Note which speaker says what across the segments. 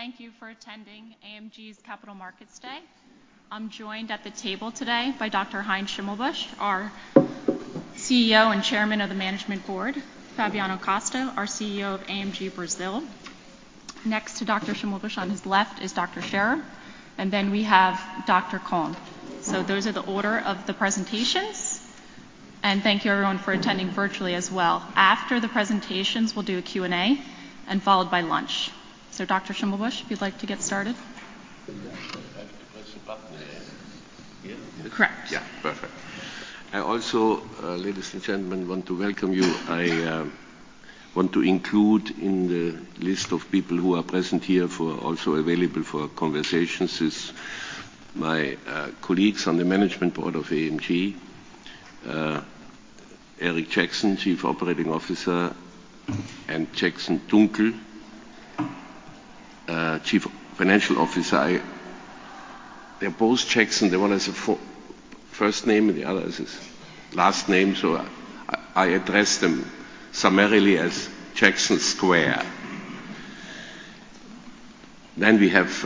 Speaker 1: Thank you for attending AMG's Capital Markets Day. I'm joined at the table today by Dr. Heinz Schimmelbusch, our CEO and chairman of the Management Board, Fabiano Costa, our CEO of AMG Brazil. Next to Dr. Schimmelbusch on his left is Dr. Scherrer, then we have Dr. Kölln. Those are the order of the presentations. Thank you everyone for attending virtually as well. After the presentations, we'll do a Q&A and followed by lunch. Dr. Schimmelbusch, if you'd like to get started.
Speaker 2: I have to press a button.
Speaker 1: Correct.
Speaker 2: Yeah. Perfect. I also, ladies and gentlemen, want to welcome you. I want to include in the list of people who are present here for also available for conversations is my colleagues on the management board of AMG, Eric Jackson, Chief Operating Officer, and Jackson Dunckel, Chief Financial Officer. They're both Jackson. The one has a for-first name and the other has his last name, so I address them summarily as Jackson Square. We have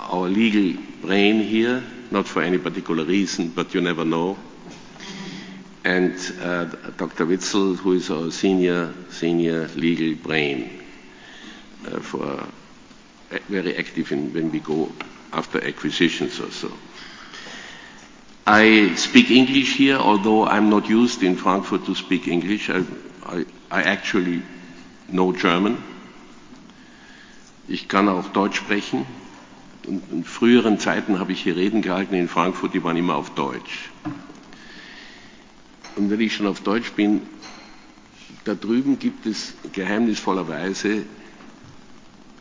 Speaker 2: our legal brain here, not for any particular reason, but you never know. Dr. Witzel, who is our senior legal brain, for very active in when we go after acquisitions or so. I speak English here, although I'm not used in Frankfurt to speak English. I actually know German.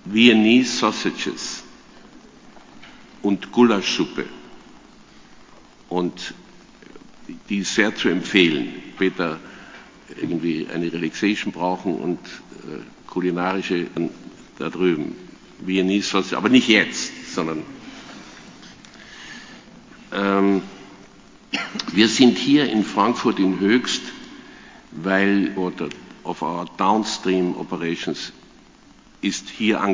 Speaker 2: Vienna sausages and Gulashsuppe and Vienna sausages. of our downstream operations is here. It's a very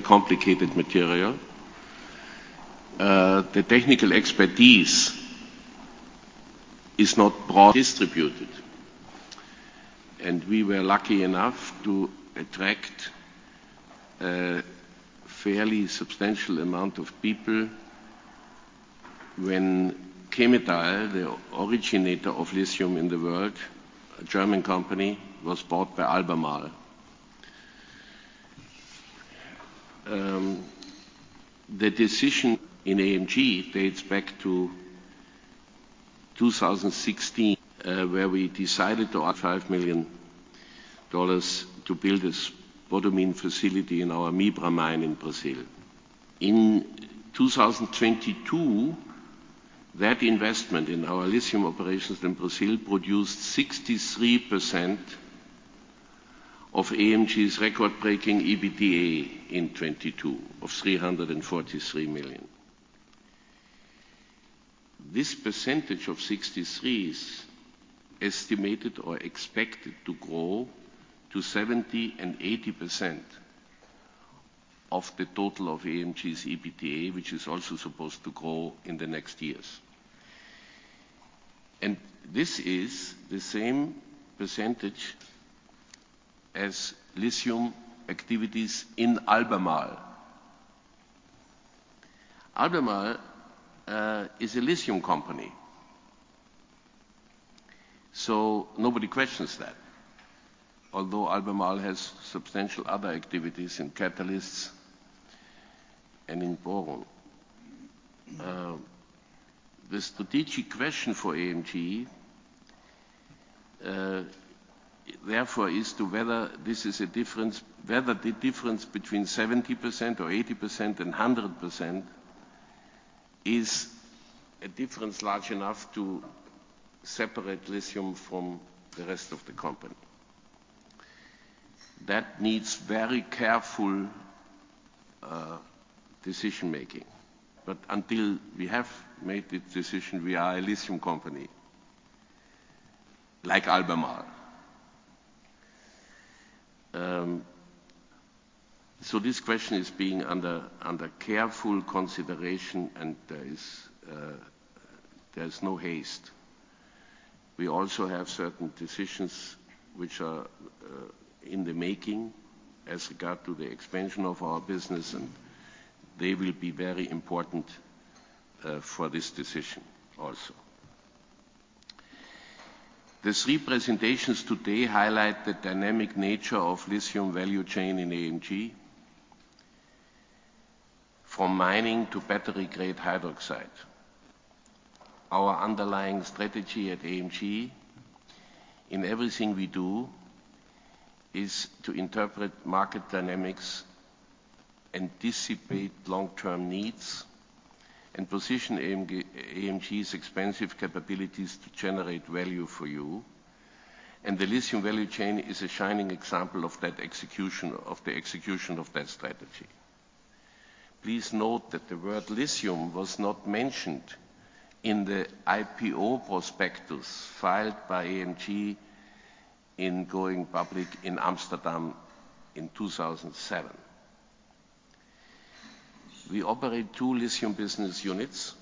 Speaker 2: complicated material. The technical expertise is not broad distributed, and we were lucky enough to attract a fairly substantial amount of people when Chemetall, the originator of lithium in the world, a German company, was bought by Albemarle. The decision in AMG dates back to 2016, where we decided to add $5 million to build a spodumene facility in our Mibra mine in Brazil. In 2022, that investment in our lithium operations in Brazil produced 63% of AMG's record-breaking EBITDA in 2022 of $343 million. This percentage of 63% is estimated or expected to grow to 70% and 80% of the total of AMG's EBITDA, which is also supposed to grow in the next years. This is the same percentage as lithium activities in Albemarle. Albemarle is a lithium company. Nobody questions that, although Albemarle has substantial other activities in catalysts and in boron. The strategic question for AMG therefore is to whether the difference between 70% or 80% and 100% is a difference large enough to separate lithium from the rest of the company. That needs very careful decision-making. Until we have made the decision, we are a lithium company, like Albemarle. This question is being under careful consideration, and there is there's no haste. We also have certain decisions which are in the making as regard to the expansion of our business, and they will be very important for this decision also. The three presentations today highlight the dynamic nature of lithium value chain in AMG from mining to battery-grade hydroxide. Our underlying strategy at AMG in everything we do is to interpret market dynamics, anticipate long-term needs, and position AMG's expensive capabilities to generate value for you. The lithium value chain is a shining example of that execution of the execution of that strategy. Please note that the word lithium was not mentioned in the IPO prospectus filed by AMG in going public in Amsterdam in 2007. We operate two lithium business units,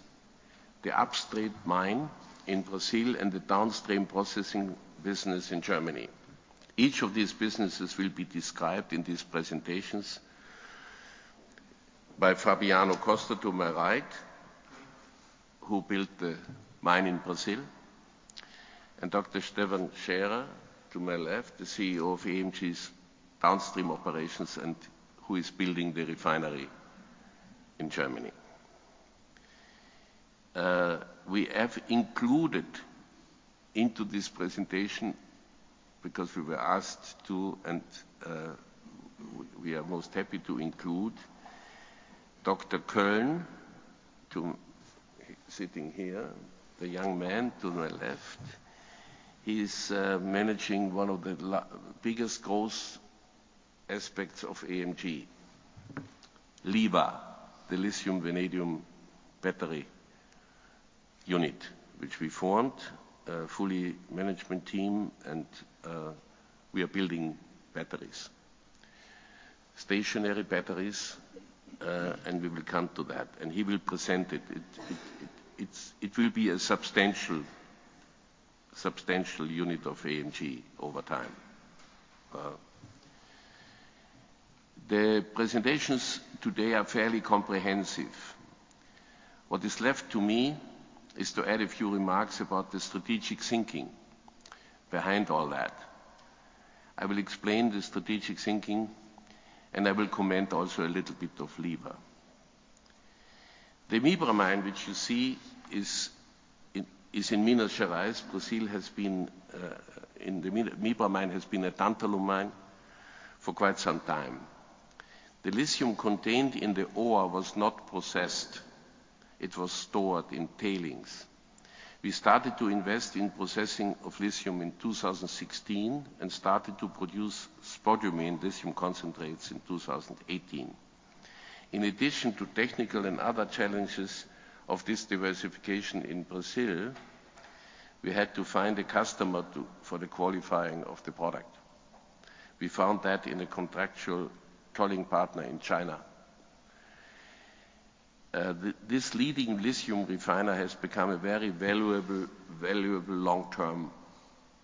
Speaker 2: the upstream mine in Brazil and the downstream processing business in Germany. Each of these businesses will be described in these presentations by Fabiano Costa to my right, who built the mine in Brazil, and Dr. Stefan Scherer to my left, the CEO of AMG's downstream operations and who is building the refinery in Germany. We have included into this presentation, because we were asked to, we are most happy to include Dr. Kölln sitting here, the young man to my left. He's managing one of the biggest growth aspects of AMG, LIVA, the lithium vanadium battery unit, which we formed, a fully management team, we are building batteries. Stationary batteries, we will come to that, he will present it. It will be a substantial unit of AMG over time. The presentations today are fairly comprehensive. What is left to me is to add a few remarks about the strategic thinking behind all that. I will explain the strategic thinking, I will comment also a little bit of LIVA. The Mibra mine, which you see, is in Minas Gerais. Brazil has been in the Mibra mine, has been a tantalum mine for quite some time. The lithium contained in the ore was not processed. It was stored in tailings. We started to invest in processing of lithium in 2016 and started to produce spodumene lithium concentrates in 2018. In addition to technical and other challenges of this diversification in Brazil, we had to find a customer for the qualifying of the product. We found that in a contractual tolling partner in China. This leading lithium refiner has become a very valuable long-term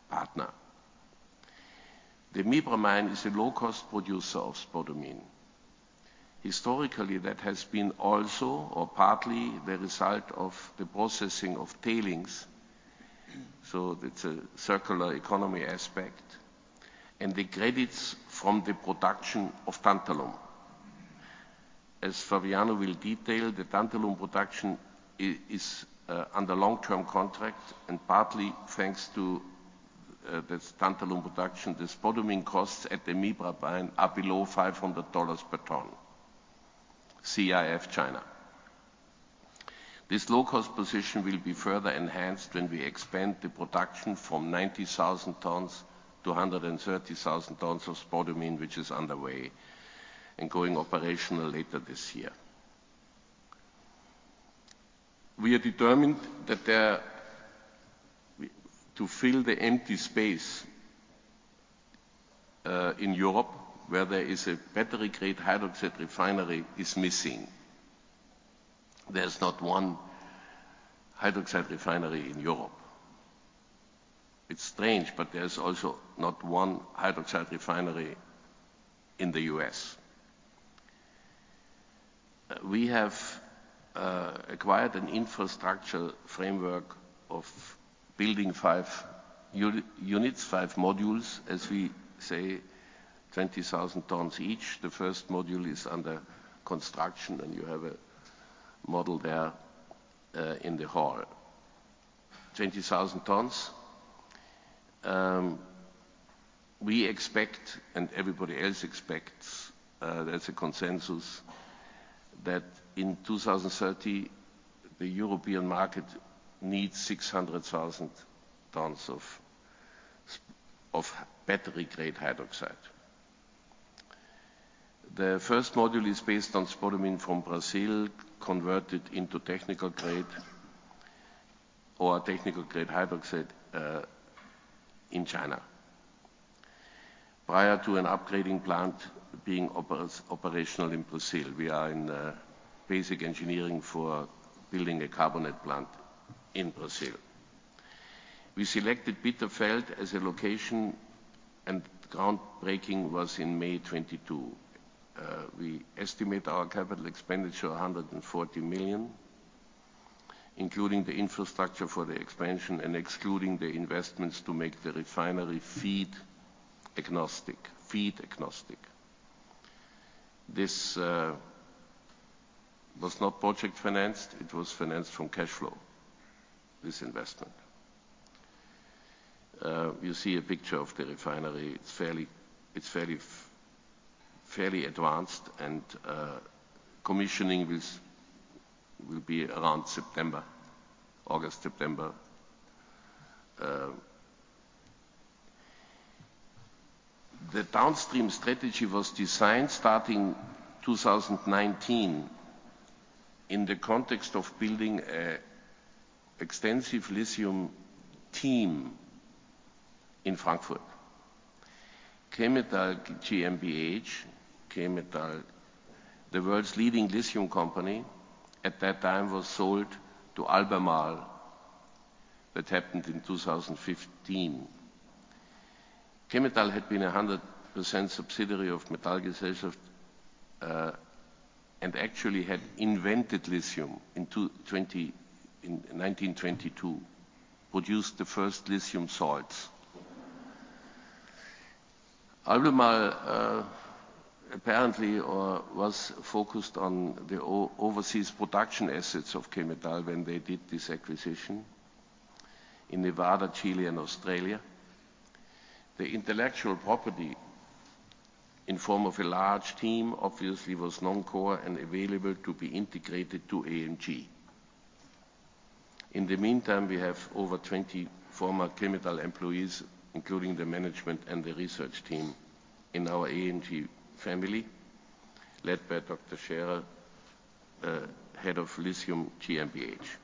Speaker 2: partner. The Mibra mine is a low-cost producer of spodumene. Historically, that has been also, or partly, the result of the processing of tailings, so it's a circular economy aspect, and the credits from the production of tantalum. As Fabiano will detail, the tantalum production is under long-term contract, partly thanks to this tantalum production, the spodumene costs at the Mibra mine are below $500 per ton, CIF China. This low-cost position will be further enhanced when we expand the production from 90,000 tons-130,000 tons of spodumene, which is underway and going operational later this year. We are determined to fill the empty space in Europe, where there is a battery-grade hydroxide refinery is missing. There's not one hydroxide refinery in Europe. It's strange, there's also not one hydroxide refinery in the U.S. We have acquired an infrastructure framework of building five modules, as we say, 20,000 tons each. The first module is under construction, you have a model there in the hall. 20,000 tons. We expect, and everybody else expects, there's a consensus that in 2030, the European market needs 600,000 tons of battery-grade hydroxide. The first module is based on spodumene from Brazil, converted into technical-grade hydroxide in China. Prior to an upgrading plant being operational in Brazil, we are in basic engineering for building a carbonate plant in Brazil. We selected Bitterfeld as a location, groundbreaking was in May 2022. We estimate our CapEx, $140 million, including the infrastructure for the expansion and excluding the investments to make the refinery feed agnostic. This was not project financed. It was financed from cash flow, this investment. You see a picture of the refinery. It's fairly advanced and commissioning this will be around August, September. The downstream strategy was designed starting 2019 in the context of building a extensive lithium team in Frankfurt. Chemetall GmbH, Chemetall, the world's leading lithium company at that time was sold to Albemarle. That happened in 2015. Chemetall had been a 100% subsidiary of Metallgesellschaft, and actually had invented lithium in 1922, produced the first lithium salts. Albemarle, apparently, was focused on the overseas production assets of Chemetall when they did this acquisition in Nevada, Chile, and Australia. The intellectual property in form of a large team obviously was non-core and available to be integrated to AMG. In the meantime, we have over 20 former Chemetall employees, including the management and the research team in our AMG family, led by Dr. Scherer, head of Lithium GmbH.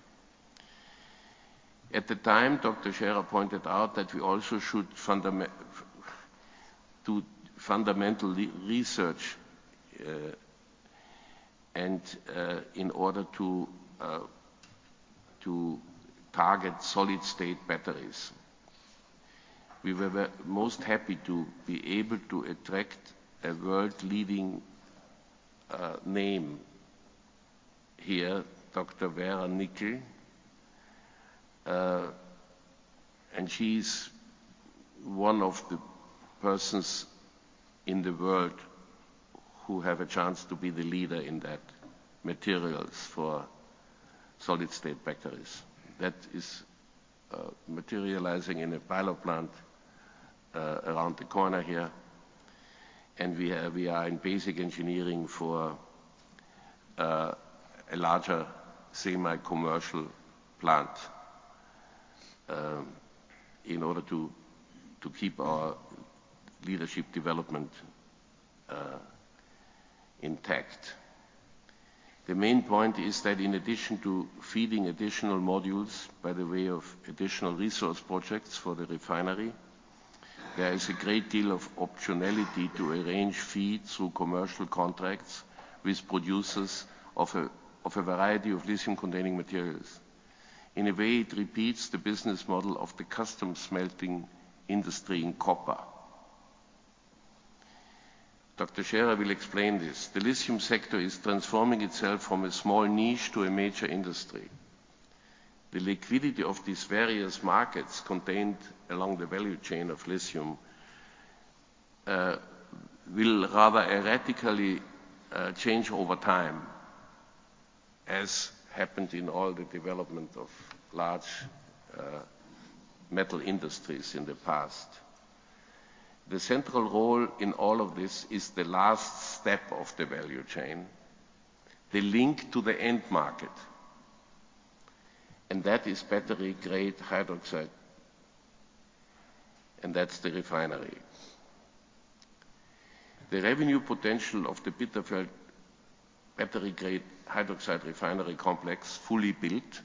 Speaker 2: At the time, Dr. Scherer pointed out that we also should do fundamental re-research, and in order to target solid-state batteries. We were the most happy to be able to attract a world-leading name here, Dr. Vera Nickel. She's one of the persons in the world who have a chance to be the leader in that materials for solid-state batteries. That is materializing in a pilot plant around the corner here. We are in basic engineering for a larger semi-commercial plant in order to keep our leadership development intact. The main point is that in addition to feeding additional modules by the way of additional resource projects for the refinery, there is a great deal of optionality to arrange feeds through commercial contracts with producers of a variety of lithium-containing materials. In a way, it repeats the business model of the custom smelting industry in copper. Dr. Scherer will explain this. The lithium sector is transforming itself from a small niche to a major industry. The liquidity of these various markets contained along the value chain of lithium will rather erratically change over time, as happened in all the development of large metal industries in the past. The central role in all of this is the last step of the value chain, the link to the end market, and that is battery-grade hydroxide, and that's the refinery. The revenue potential of the Bitterfeld battery-grade hydroxide refinery complex fully built,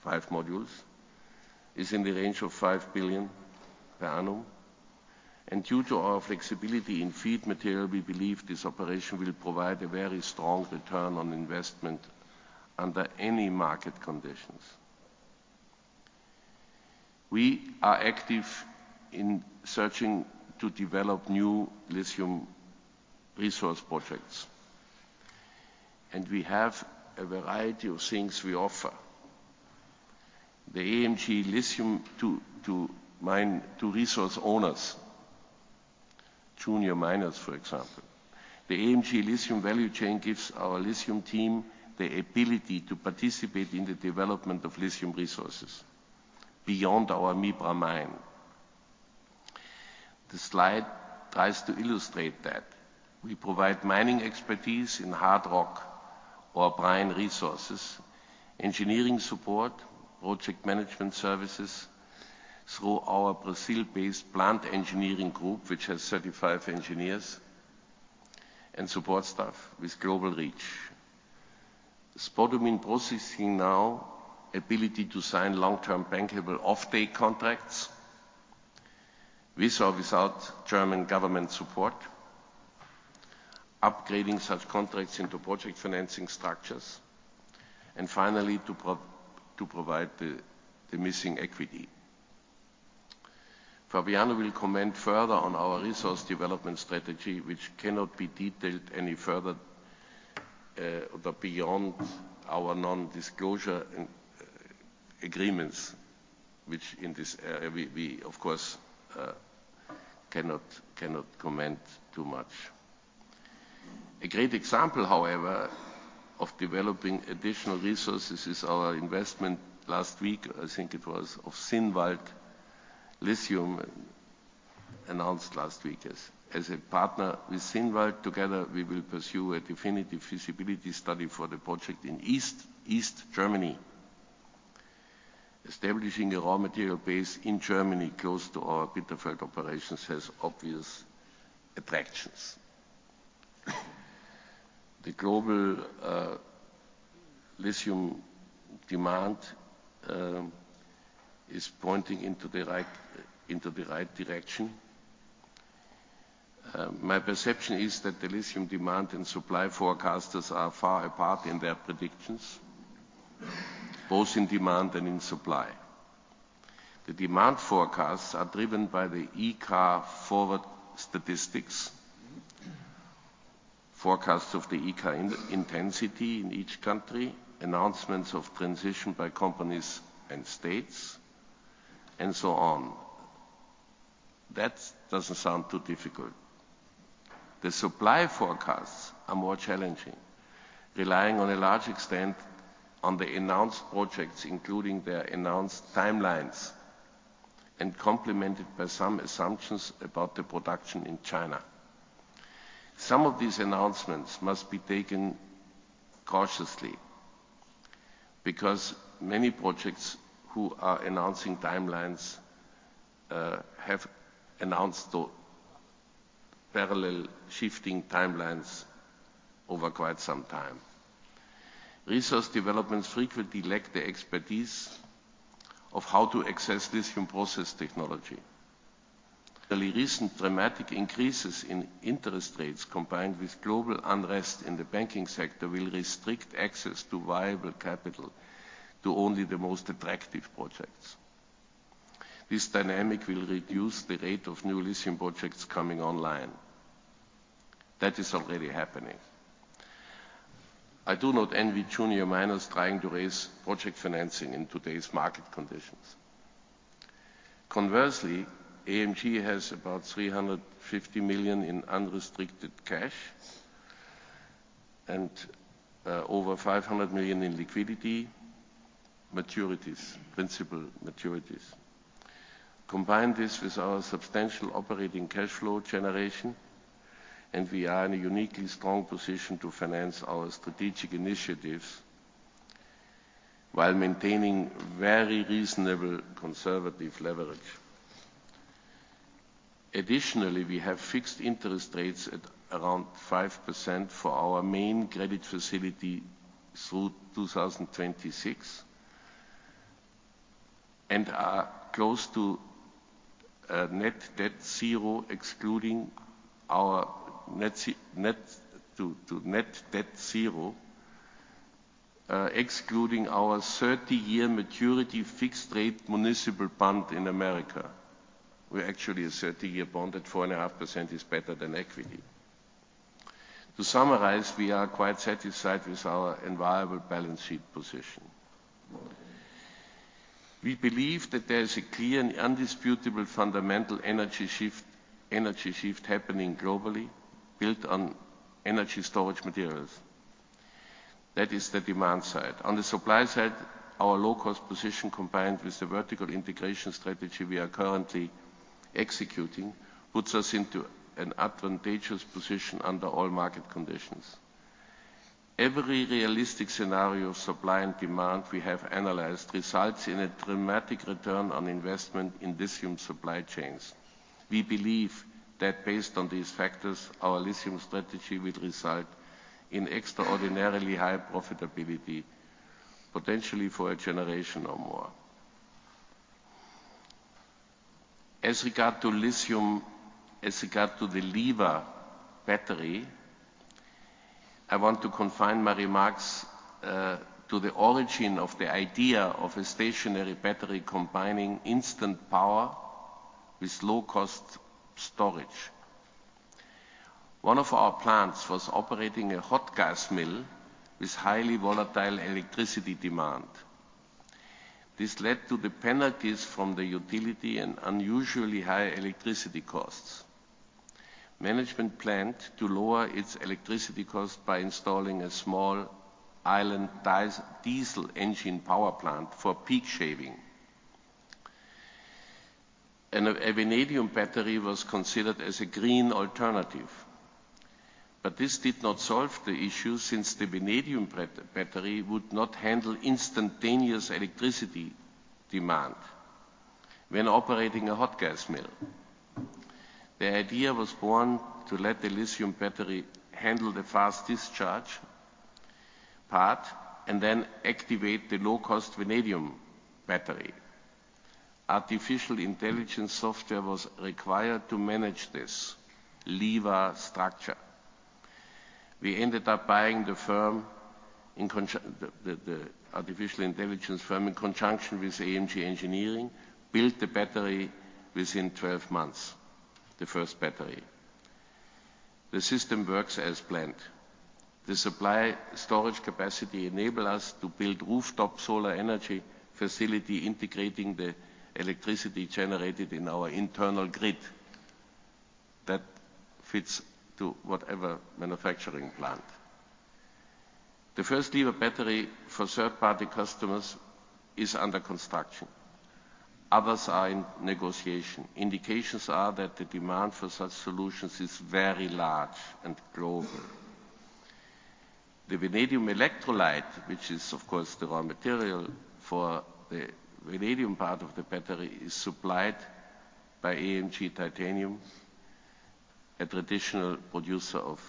Speaker 2: five modules, is in the range of 5 billion per annum. Due to our flexibility in feed material, we believe this operation will provide a very strong return on investment under any market conditions. We are active in searching to develop new lithium resource projects. We have a variety of things we offer. The AMG Lithium to resource owners, junior miners, for example. The AMG Lithium value chain gives our lithium team the ability to participate in the development of lithium resources beyond our Mibra mine. The slide tries to illustrate that. We provide mining expertise in hard rock or brine resources, engineering support, project management services through our Brazil-based plant engineering group, which has 35 engineers and support staff with global reach. The spodumene processing now ability to sign long-term bankable off-take contracts with or without German government support, upgrading such contracts into project financing structures, and finally, to provide the missing equity. Fabiano will comment further on our resource development strategy, which cannot be detailed any further. Beyond our non-disclosure and agreements, which in this area we of course cannot comment too much. A great example, however, of developing additional resources is our investment last week, I think it was, of Zinnwald Lithium, announced last week as a partner with Zinnwald. Together, we will pursue a definitive feasibility study for the project in East Germany. Establishing a raw material base in Germany close to our Bitterfeld operations has obvious attractions. The global lithium demand is pointing into the right direction. My perception is that the lithium demand and supply forecasters are far apart in their predictions, both in demand and in supply. The demand forecasts are driven by the e-car forward statistics, forecasts of the e-car in-intensity in each country, announcements of transition by companies and states, and so on. That doesn't sound too difficult. The supply forecasts are more challenging, relying on a large extent on the announced projects, including their announced timelines, and complemented by some assumptions about the production in China. Some of these announcements must be taken cautiously because many projects who are announcing timelines have announced the parallel shifting timelines over quite some time. Resource developments frequently lack the expertise of how to access lithium process technology. The recent dramatic increases in interest rates combined with global unrest in the banking sector will restrict access to viable capital to only the most attractive projects. This dynamic will reduce the rate of new lithium projects coming online. That is already happening. I do not envy junior miners trying to raise project financing in today's market conditions. Conversely, AMG has about $350 million in unrestricted cash and over $500 million in liquidity maturities, principal maturities. Combine this with our substantial operating cash flow generation, we are in a uniquely strong position to finance our strategic initiatives while maintaining very reasonable conservative leverage. Additionally, we have fixed interest rates at around 5% for our main credit facility through 2026 and are close to net debt zero, excluding our net to net debt zero, excluding our 30-year maturity fixed rate municipal bond in America. We actually a 30-year bond at 4.5% is better than equity. To summarize, we are quite satisfied with our enviable balance sheet position. We believe that there is a clear and undisputable fundamental energy shift happening globally built on energy storage materials. That is the demand side. On the supply side, our low-cost position combined with the vertical integration strategy we are currently executing puts us into an advantageous position under all market conditions. Every realistic scenario of supply and demand we have analyzed results in a dramatic return on investment in lithium supply chains. We believe that based on these factors, our lithium strategy will result in extraordinarily high profitability, potentially for a generation or more. As regard to lithium, as regard to the LIVA battery, I want to confine my remarks to the origin of the idea of a stationary battery combining instant power with low-cost storage. One of our plants was operating a hot gas mill with highly volatile electricity demand. This led to the penalties from the utility and unusually high electricity costs. Management planned to lower its electricity cost by installing a small island diesel engine power plant for peak shaving. A vanadium battery was considered as a green alternative. This did not solve the issue since the vanadium battery would not handle instantaneous electricity demand when operating a hot gas mill. The idea was born to let the lithium battery handle the fast discharge part and then activate the low-cost vanadium battery. Artificial intelligence software was required to manage this lever structure. We ended up buying the firm in conjunction with AMG Engineering built the battery within 12 months, the first battery. The system works as planned. The supply storage capacity enable us to build rooftop solar energy facility integrating the electricity generated in our internal grid that fits to whatever manufacturing plant. The first LIVA battery for third-party customers is under construction. Others are in negotiation. Indications are that the demand for such solutions is very large and global. The vanadium electrolyte, which is of course the raw material for the vanadium part of the battery, is supplied by AMG Titanium, a traditional producer of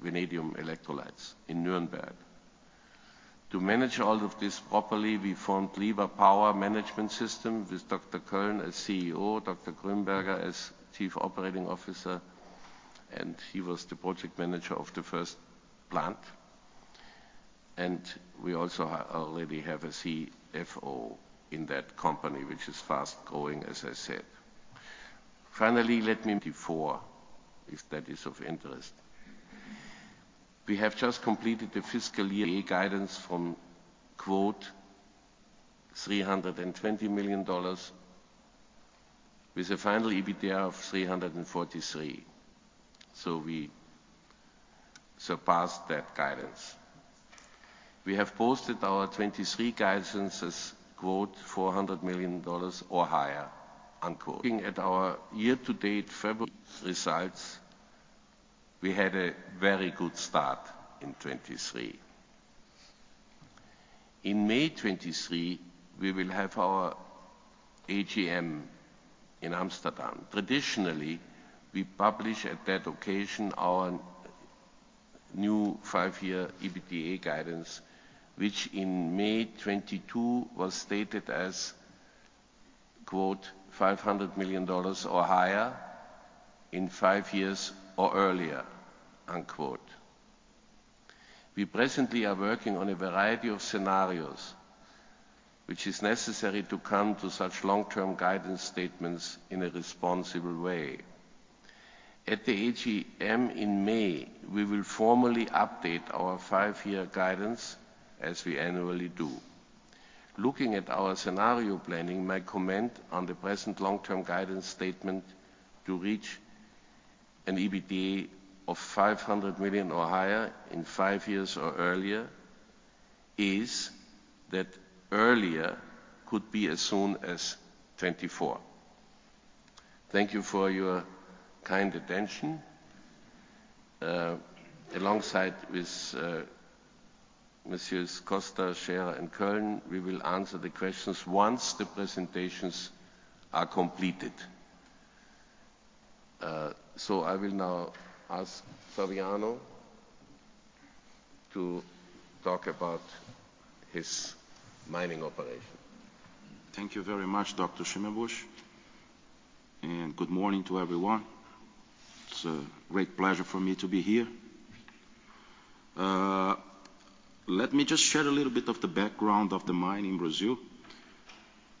Speaker 2: vanadium electrolytes in Nuremberg. To manage all of this properly, we formed LIVA Power Management System with Dr. Kölln as CEO, Dr. Grünberger as Chief Operating Officer, he was the project manager of the first plant. We already have a CFO in that company, which is fast-growing, as I said. Finally, four, if that is of interest. We have just completed the fiscal year guidance from “$320 million with a final EBITDA of $343 million. We surpassed that guidance. We have posted our 2023 guidances “$400 million or higher.” Looking at our year-to-date February results, we had a very good start in 2023. In May 2023, we will have our AGM in Amsterdam. Traditionally, we publish at that occasion our new five-year EBITDA guidance, which in May 2022 was stated as “$500 million or higher in five years or earlier.” We presently are working on a variety of scenarios, which is necessary to come to such long-term guidance statements in a responsible way. At the AGM in May, we will formally update our five-year guidance as we annually do. Looking at our scenario planning, my comment on the present long-term guidance statement to reach an EBITDA of 500 million or higher in five years or earlier is that earlier could be as soon as 2024. Thank you for your kind attention. Alongside with Messrs. Costa, Scherer, and Kölln, we will answer the questions once the presentations are completed. I will now ask Fabiano Costa to talk about his mining operation.
Speaker 3: Thank you very much, Dr. Schimmelbusch. Good morning to everyone. It's a great pleasure for me to be here. Let me just share a little bit of the background of the mine in Brazil.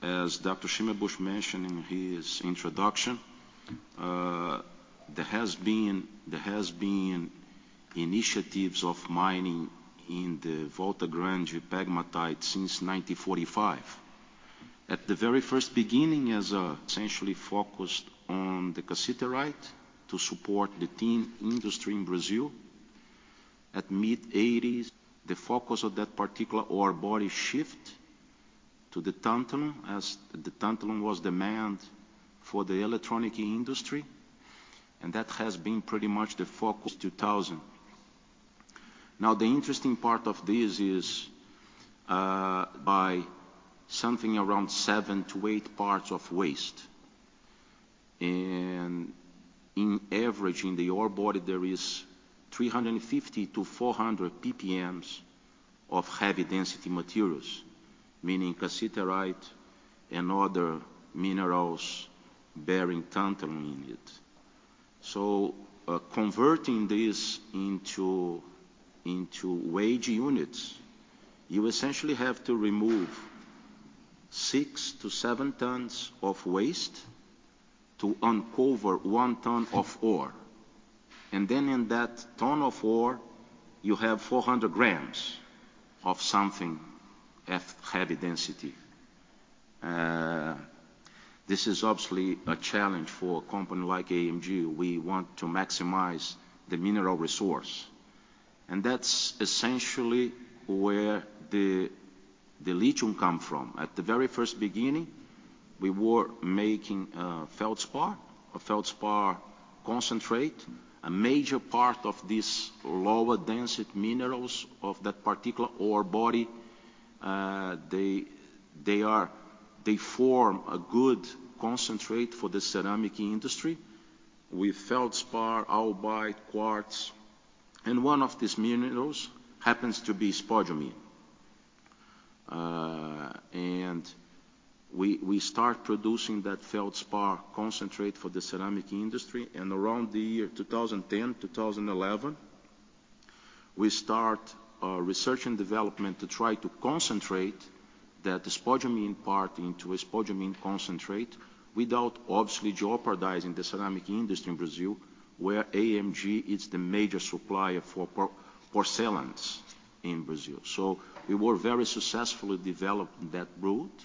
Speaker 3: As Dr. Schimmelbusch mentioned in his introduction, there has been initiatives of mining in the Volta Grande pegmatite since 1945. At the very first beginning as essentially focused on the cassiterite to support the tin industry in Brazil. At mid-1980s, the focus of that particular ore body shift to the tantalum, as the tantalum was demand for the electronic industry, and that has been pretty much the focus 2000. The interesting part of this is by something around seven to eight parts of waste. In average in the ore body, there is 350-400 ppms of heavy density materials, meaning cassiterite and other minerals bearing tantalum in it. Converting this into wage units, you essentially have to remove six-seven tons of waste to uncover one ton of ore. In that ton of ore, you have 400 grams of something heavy density. This is obviously a challenge for a company like AMG. We want to maximize the mineral resource. That's essentially where the lithium come from. At the very first beginning, we were making feldspar, a feldspar concentrate. A major part of this lower density minerals of that particular ore body, they form a good concentrate for the ceramic industry with feldspar, albite, quartz. One of these minerals happens to be spodumene, and we start producing that feldspar concentrate for the ceramic industry. Around the year 2010, 2011, we start research and development to try to concentrate that spodumene part into a spodumene concentrate without obviously jeopardizing the ceramic industry in Brazil, where AMG is the major supplier for porcelains in Brazil. We were very successfully developing that route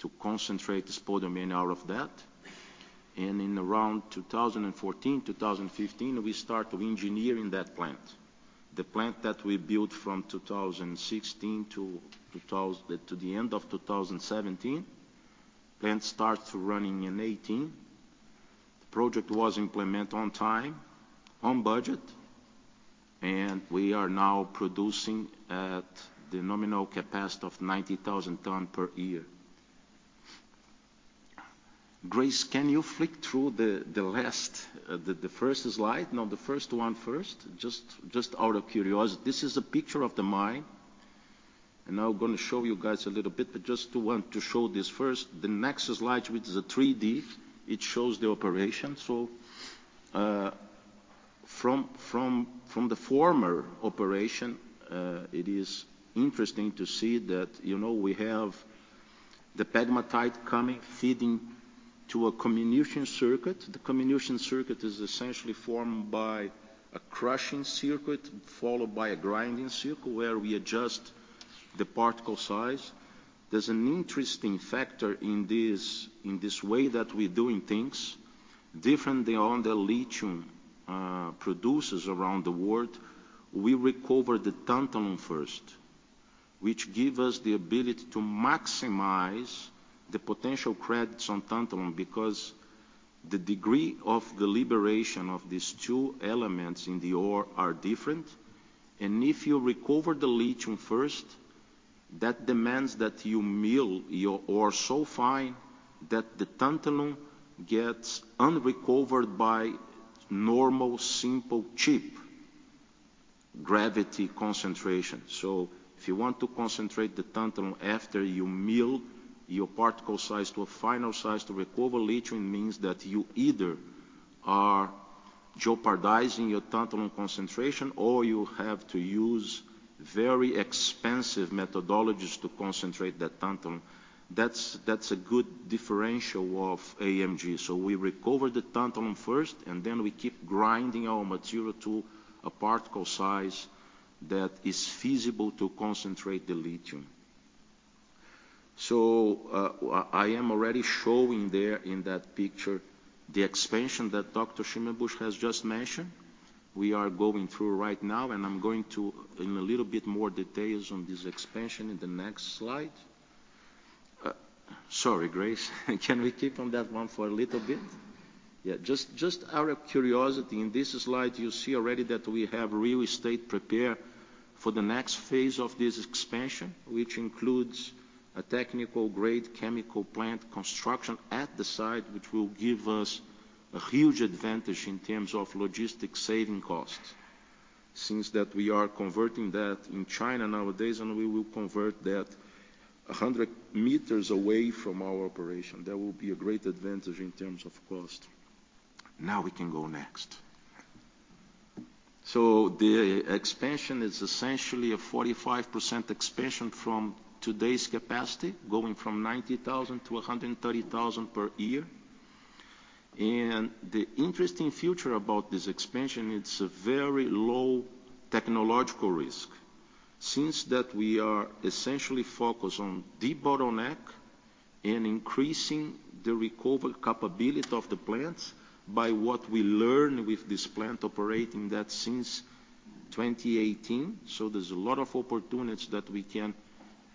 Speaker 3: to concentrate the spodumene out of that. In around 2014, 2015, we start engineering that plant. The plant that we built from 2016 to the end of 2017, plant starts running in 2018. The project was implement on time, on budget, and we are now producing at the nominal capacity of 90,000 ton per year. Grace, can you flick through the last, the first slide? No, the first one first, just out of curiosity. This is a picture of the mine, and I'm gonna show you guys a little bit, but just to want to show this first. The next slide, which is a 3D, it shows the operation. From the former operation, it is interesting to see that, you know, we have the pegmatite coming, feeding to a comminution circuit. The comminution circuit is essentially formed by a crushing circuit followed by a grinding circuit, where we adjust the particle size. There's an interesting factor in this, in this way that we're doing things different than other lithium producers around the world. We recover the tantalum first, which give us the ability to maximize the potential credits on tantalum, because the degree of the liberation of these two elements in the ore are different. If you recover the lithium first, that demands that you mill your ore so fine that the tantalum gets unrecovered by normal, simple, cheap gravity concentration. If you want to concentrate the tantalum after you mill your particle size to a final size to recover lithium, means that you either are jeopardizing your tantalum concentration, or you have to use very expensive methodologies to concentrate that tantalum. That's a good differential of AMG. We recover the tantalum first, and then we keep grinding our material to a particle size that is feasible to concentrate the lithium. I am already showing there in that picture the expansion that Dr. Schimmelbusch has just mentioned. We are going through right now, and I'm going to in a little bit more details on this expansion in the next slide. Sorry, Grace. Can we keep on that one for a little bit? Just out of curiosity, in this slide you see already that we have real estate prepared for the next phase of this expansion, which includes a technical-grade chemical plant construction at the site, which will give us a huge advantage in terms of logistic saving costs since that we are converting that in China nowadays, and we will convert that 100 meters away from our operation. That will be a great advantage in terms of cost. We can go next. The expansion is essentially a 45% expansion from today's capacity, going from 90,000-130,000 per year. The interesting feature about this expansion, it's a very low technological risk since that we are essentially focused on debottleneck and increasing the recovery capability of the plant by what we learn with this plant operating that since 2018. There's a lot of opportunities that we can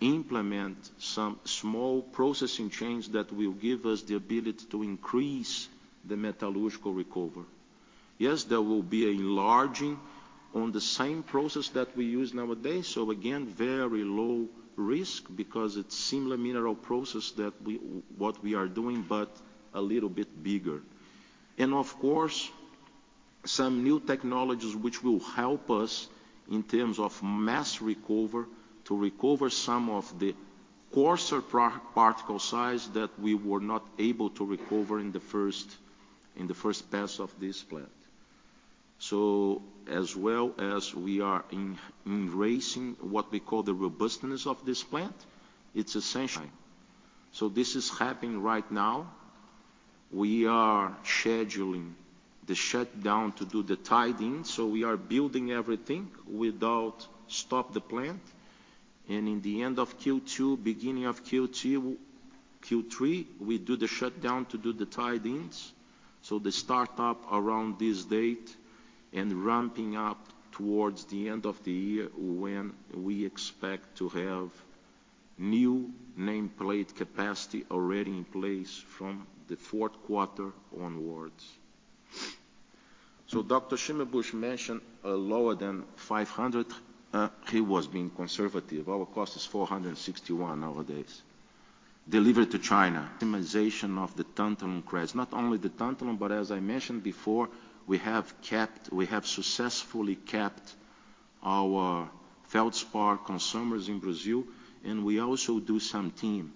Speaker 3: implement some small processing change that will give us the ability to increase the metallurgical recovery. Yes, there will be enlarging on the same process that we use nowadays, so again, very low risk because it's similar mineral process what we are doing but a little bit bigger. Of course, some new technologies which will help us in terms of mass recover to recover some of the coarser particle size that we were not able to recover in the first pass of this plant. As well as we are embracing what we call the robustness of this plant, it's. This is happening right now. We are scheduling the shutdown to do the tie-in. We are building everything without stop the plant. In the end of Q2, beginning of Q3, we do the shutdown to do the tie-ins. The start up around this date and ramping up towards the end of the year when we expect to have new nameplate capacity already in place from the fourth quarter onwards. Dr. Schimmelbusch mentioned lower than $500. He was being conservative. Our cost is $461 nowadays Delivered to China. Optimization of the tantalum grades. Not only the tantalum, As I mentioned before, we have successfully kept our feldspar consumers in Brazil, and we also do some tin,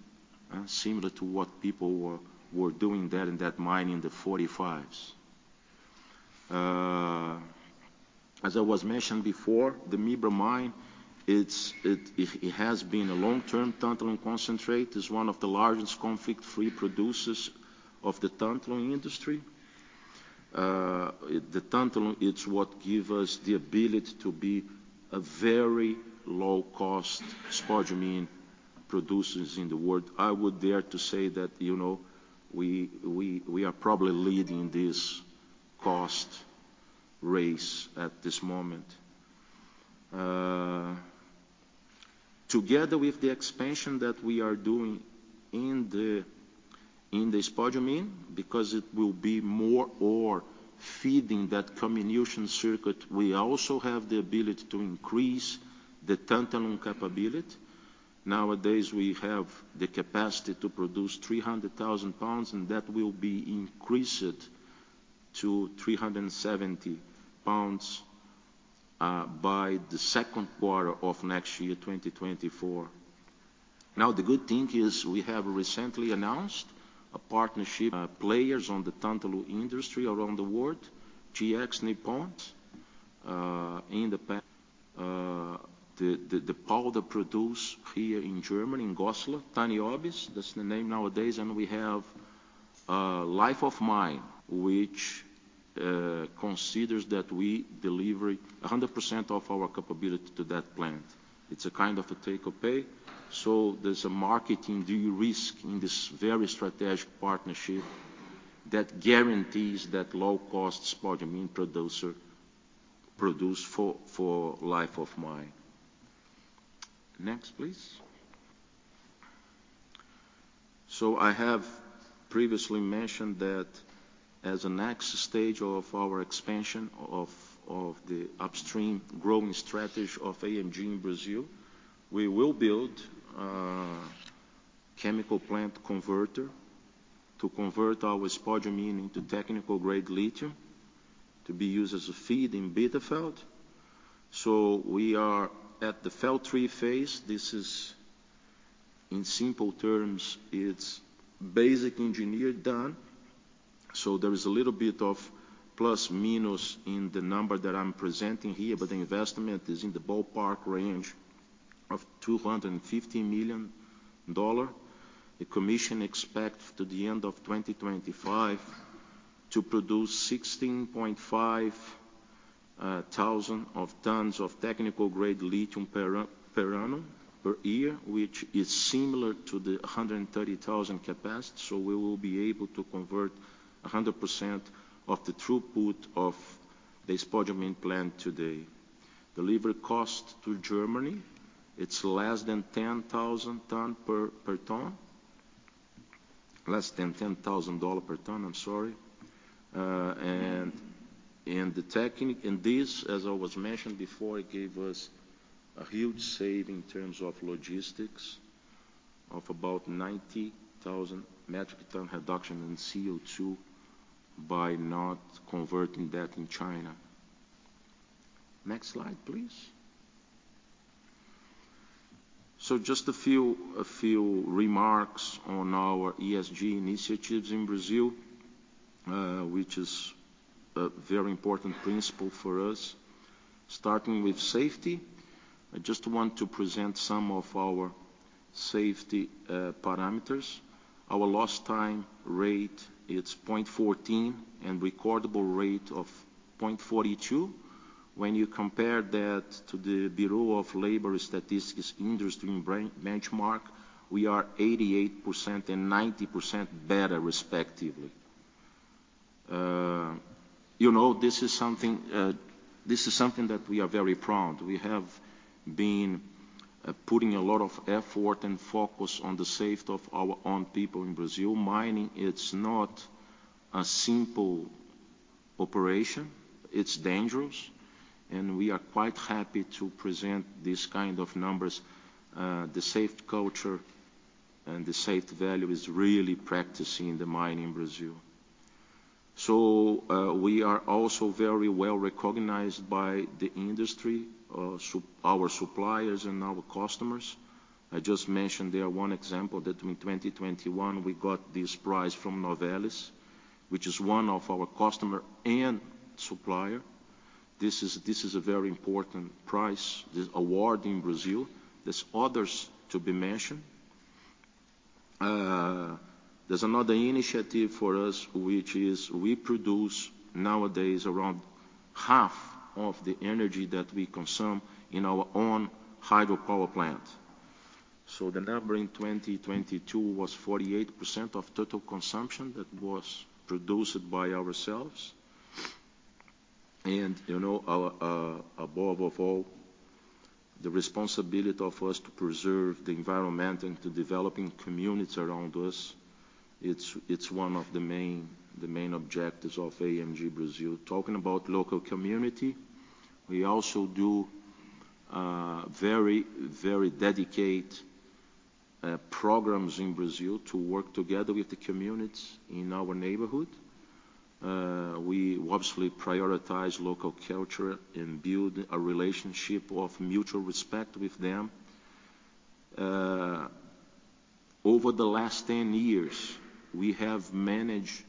Speaker 3: similar to what people were doing there in that mine in the '40s. As I was mentioned before, the Mibra mine, it has been a long-term tantalum concentrate. It's one of the largest conflict-free producers of the tantalum industry. The tantalum, it's what give us the ability to be a very low-cost spodumene producers in the world. I would dare to say that, you know, we are probably leading this cost race at this moment. Together with the expansion that we are doing in the spodumene, because it will be more ore feeding that comminution circuit, we also have the ability to increase the tantalum capability. Nowadays, we have the capacity to produce 300,000 pounds, and that will be increased to 370 pounds by the second quarter of next year, 2024. The good thing is we have recently announced a partnership, players on the tantalum industry around the world, JX Nippon, the powder produced here in Germany, in Goslar, TANIOBIS, that's the name nowadays. We have Life of Mine, which considers that we delivery 100% of our capability to that plant. It's a kind of a take-or-pay, there's a marketing de-risk in this very strategic partnership that guarantees that low-cost spodumene producer produce for Life of Mine. Next, please. I have previously mentioned that as a next stage of our expansion of the upstream growing strategy of AMG in Brazil, we will build a chemical plant converter to convert our spodumene into technical-grade lithium to be used as a feed in Bitterfeld. We are at the FEL 3 phase. This is, in simple terms, it's basic engineer done. There is a little bit of plus, minus in the number that I'm presenting here, but the investment is in the ballpark range of $250 million. The commission expect at the end of 2025 to produce 16,500 tons of technical-grade lithium per annum, per year, which is similar to the 130,000 capacity. We will be able to convert 100% of the throughput of the spodumene plant today. Delivery cost to Germany, it's less than 10,000 tons per ton. Less than $10,000 per ton, I'm sorry. And this, as I was mentioned before, it gave us a huge save in terms of logistics of about 90,000 metric tons reduction in CO2 by not converting that in China. Next slide, please. Just a few remarks on our ESG initiatives in Brazil, which is a very important principle for us, starting with safety. I just want to present some of our safety parameters. Our lost time rate, it's 0.14, and recordable rate of 0.42. When you compare that to the Bureau of Labor Statistics industry benchmark, we are 88% and 90% better respectively. you know, this is something that we are very proud. We have been putting a lot of effort and focus on the safety of our own people in Brazil. Mining, it's not a simple operation. It's dangerous, and we are quite happy to present these kind of numbers. The safety culture and the safety value is really practicing in the mine in Brazil. We are also very well-recognized by the industry, our suppliers and our customers. I just mentioned there one example that in 2021 we got this prize from Novelis, which is one of our customer and supplier. This is a very important prize, this award in Brazil. There's others to be mentioned. There's another initiative for us, which is we produce nowadays around half of the energy that we consume in our own hydropower plant. The number in 2022 was 48% of total consumption that was produced by ourselves. You know, above of all, the responsibility of us to preserve the environment and to developing communities around us, it's one of the main objectives of AMG Brazil. Talking about local community, we also very, very dedicate programs in Brazil to work together with the communities in our neighborhood. We obviously prioritize local culture and build a relationship of mutual respect with them. Over the last 10 years, we have managed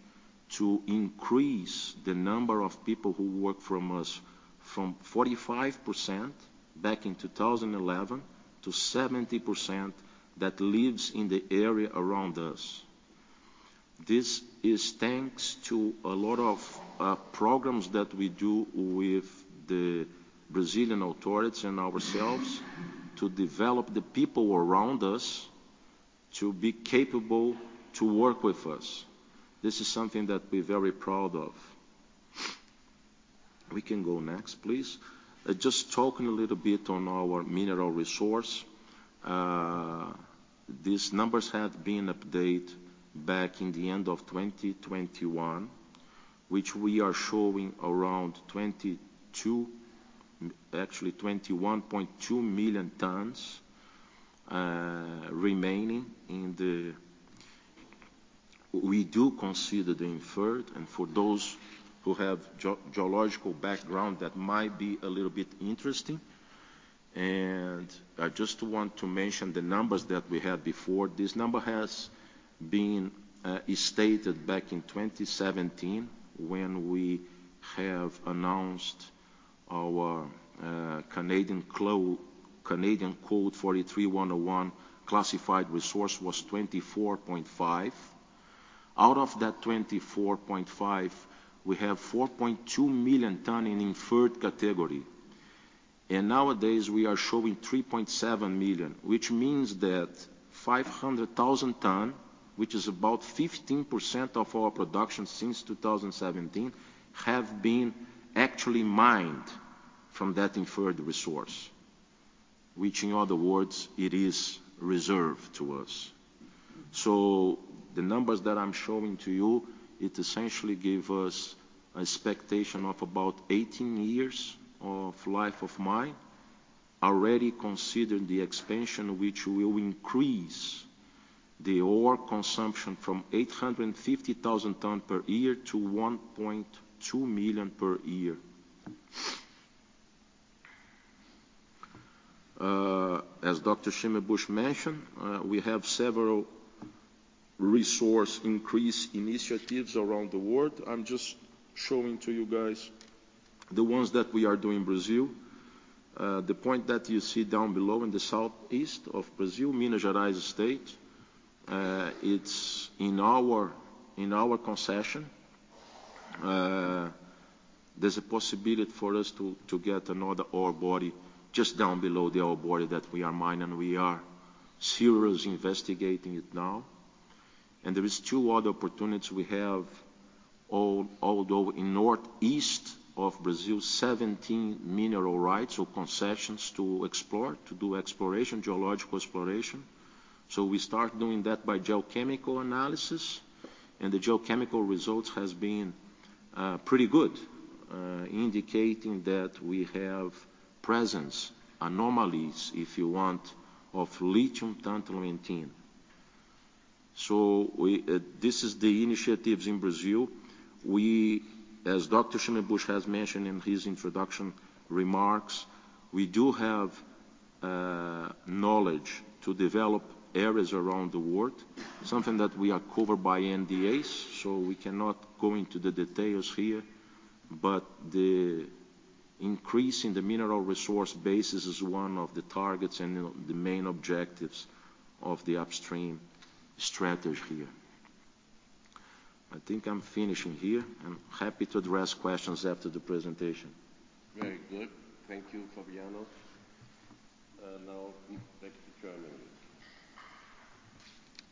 Speaker 3: to increase the number of people who work from us from 45% back in 2011 to 70% that lives in the area around us. This is thanks to a lot of programs that we do with the Brazilian authorities and ourselves to develop the people around us to be capable to work with us. This is something that we're very proud of. We can go next, please. Just talking a little bit on our mineral resource. These numbers had been update back in the end of 2021, which we are showing around 21.2 million tons remaining in the... We do consider the inferred, and for those who have geological background, that might be a little bit interesting. I just want to mention the numbers that we had before. This number has been is stated back in 2017 when we have announced our Canadian Code 43-101 classified resource was 24.5. Out of that 24.5, we have 4.2 million ton in inferred category. Nowadays we are showing 3.7 million, which means that 500,000 ton, which is about 15% of our production since 2017, have been actually mined from that inferred resource, which in other words, it is reserved to us. The numbers that I'm showing to you, it essentially give us expectation of about 18 years of Life of Mine, already considering the expansion which will increase the ore consumption from 850,000 ton per year to 1.2 million per year. As Dr. Schimmelbusch mentioned, we have several resource increase initiatives around the world. I'm just showing to you guys the ones that we are doing Brazil. The point that you see down below in the southeast of Brazil, Minas Gerais state, it's in our concession. There's a possibility for us to get another ore body just down below the ore body that we are mining. We are serious investigating it now. There is two other opportunities we have although in northeast of Brazil, 17 mineral rights or concessions to explore, to do exploration, geological exploration. We start doing that by geochemical analysis, and the geochemical results has been pretty good, indicating that we have presence, anomalies, if you want, of lithium, tantalum, and tin. We, this is the initiatives in Brazil. We, as Dr.Schimmelbusch has mentioned in his introduction remarks, we do have knowledge to develop areas around the world, something that we are covered by NDAs, so we cannot go into the details here. The increase in the mineral resource bases is one of the targets and the main objectives of the upstream strategy here. I think I'm finishing here. I'm happy to address questions after the presentation.
Speaker 2: Very good. Thank you, Fabiano. Now back to Germany.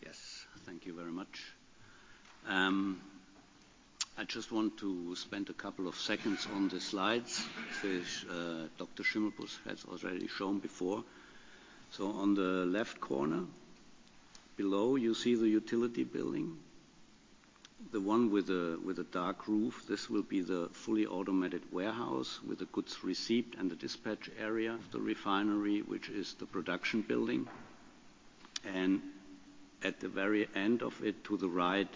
Speaker 4: Yes. Thank you very much. I just want to spend a couple of seconds on the slides which Dr. Schimmelbusch has already shown before. On the left corner below, you see the utility building, the one with a dark roof. This will be the fully automated warehouse with the goods receipt and the dispatch area, the refinery, which is the production building. At the very end of it to the right,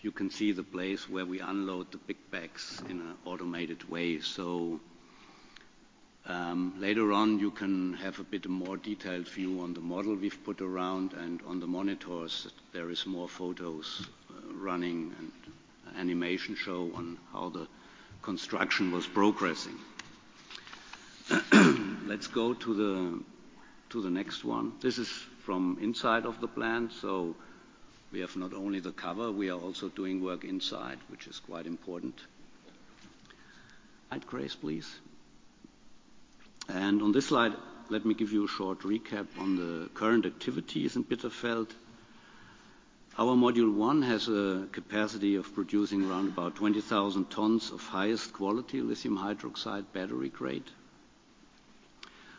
Speaker 4: you can see the place where we unload the big bags in a automated way. Later on you can have a bit more detailed view on the model we've put around, and on the monitors there is more photos running and animation show on how the construction was progressing. Let's go to the next one. This is from inside of the plant, so we have not only the cover, we are also doing work inside, which is quite important. Next slide, please. On this slide, let me give you a short recap on the current activities in Bitterfeld. Our module one has a capacity of producing around about 20,000 tons of highest quality lithium hydroxide battery grade.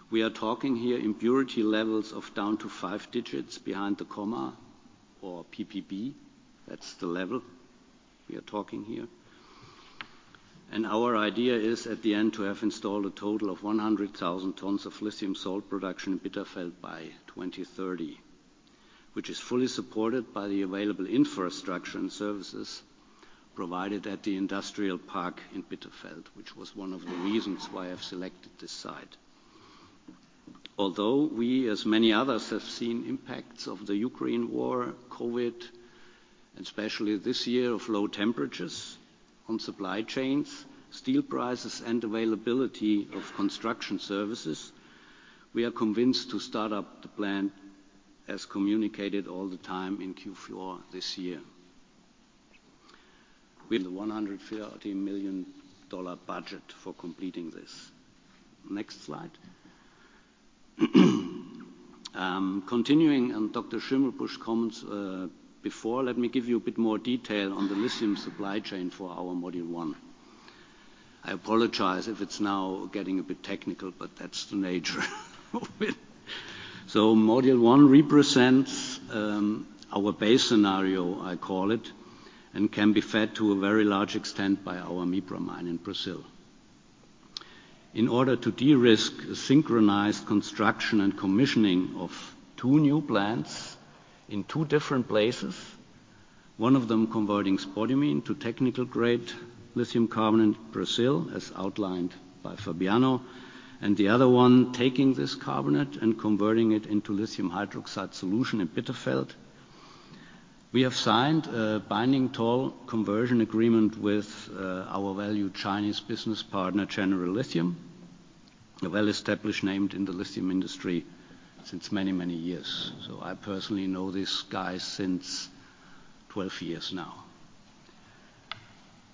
Speaker 4: We are talking here impurity levels of down to five digits behind the comma or ppb. That's the level we are talking here. Our idea is at the end to have installed a total of 100,000 tons of lithium salt production in Bitterfeld by 2030, which is fully supported by the available infrastructure and services provided at the industrial park in Bitterfeld, which was one of the reasons why I've selected this site. Although we, as many others, have seen impacts of the Ukraine war, COVID, and especially this year of low temperatures on supply chains, steel prices, and availability of construction services, we are convinced to start up the plant as communicated all the time in Q4 this year with a $130 million budget for completing this. Next slide. Continuing on Dr. Schimmelbusch comments before, let me give you a bit more detail on the lithium supply chain for our module one. I apologize if it's now getting a bit technical, but that's the nature of it. Module one represents our base scenario, I call it, and can be fed to a very large extent by our Mibra mine in Brazil. In order to de-risk a synchronized construction and commissioning of two new plants in two different places, one of them converting spodumene to technical-grade lithium carbonate in Brazil, as outlined by Fabiano, and the other one taking this carbonate and converting it into lithium hydroxide solution in Bitterfeld. We have signed a binding toll conversion agreement with our valued Chinese business partner, General Lithium, a well-established name in the lithium industry since many, many years. I personally know these guys since 12 years now.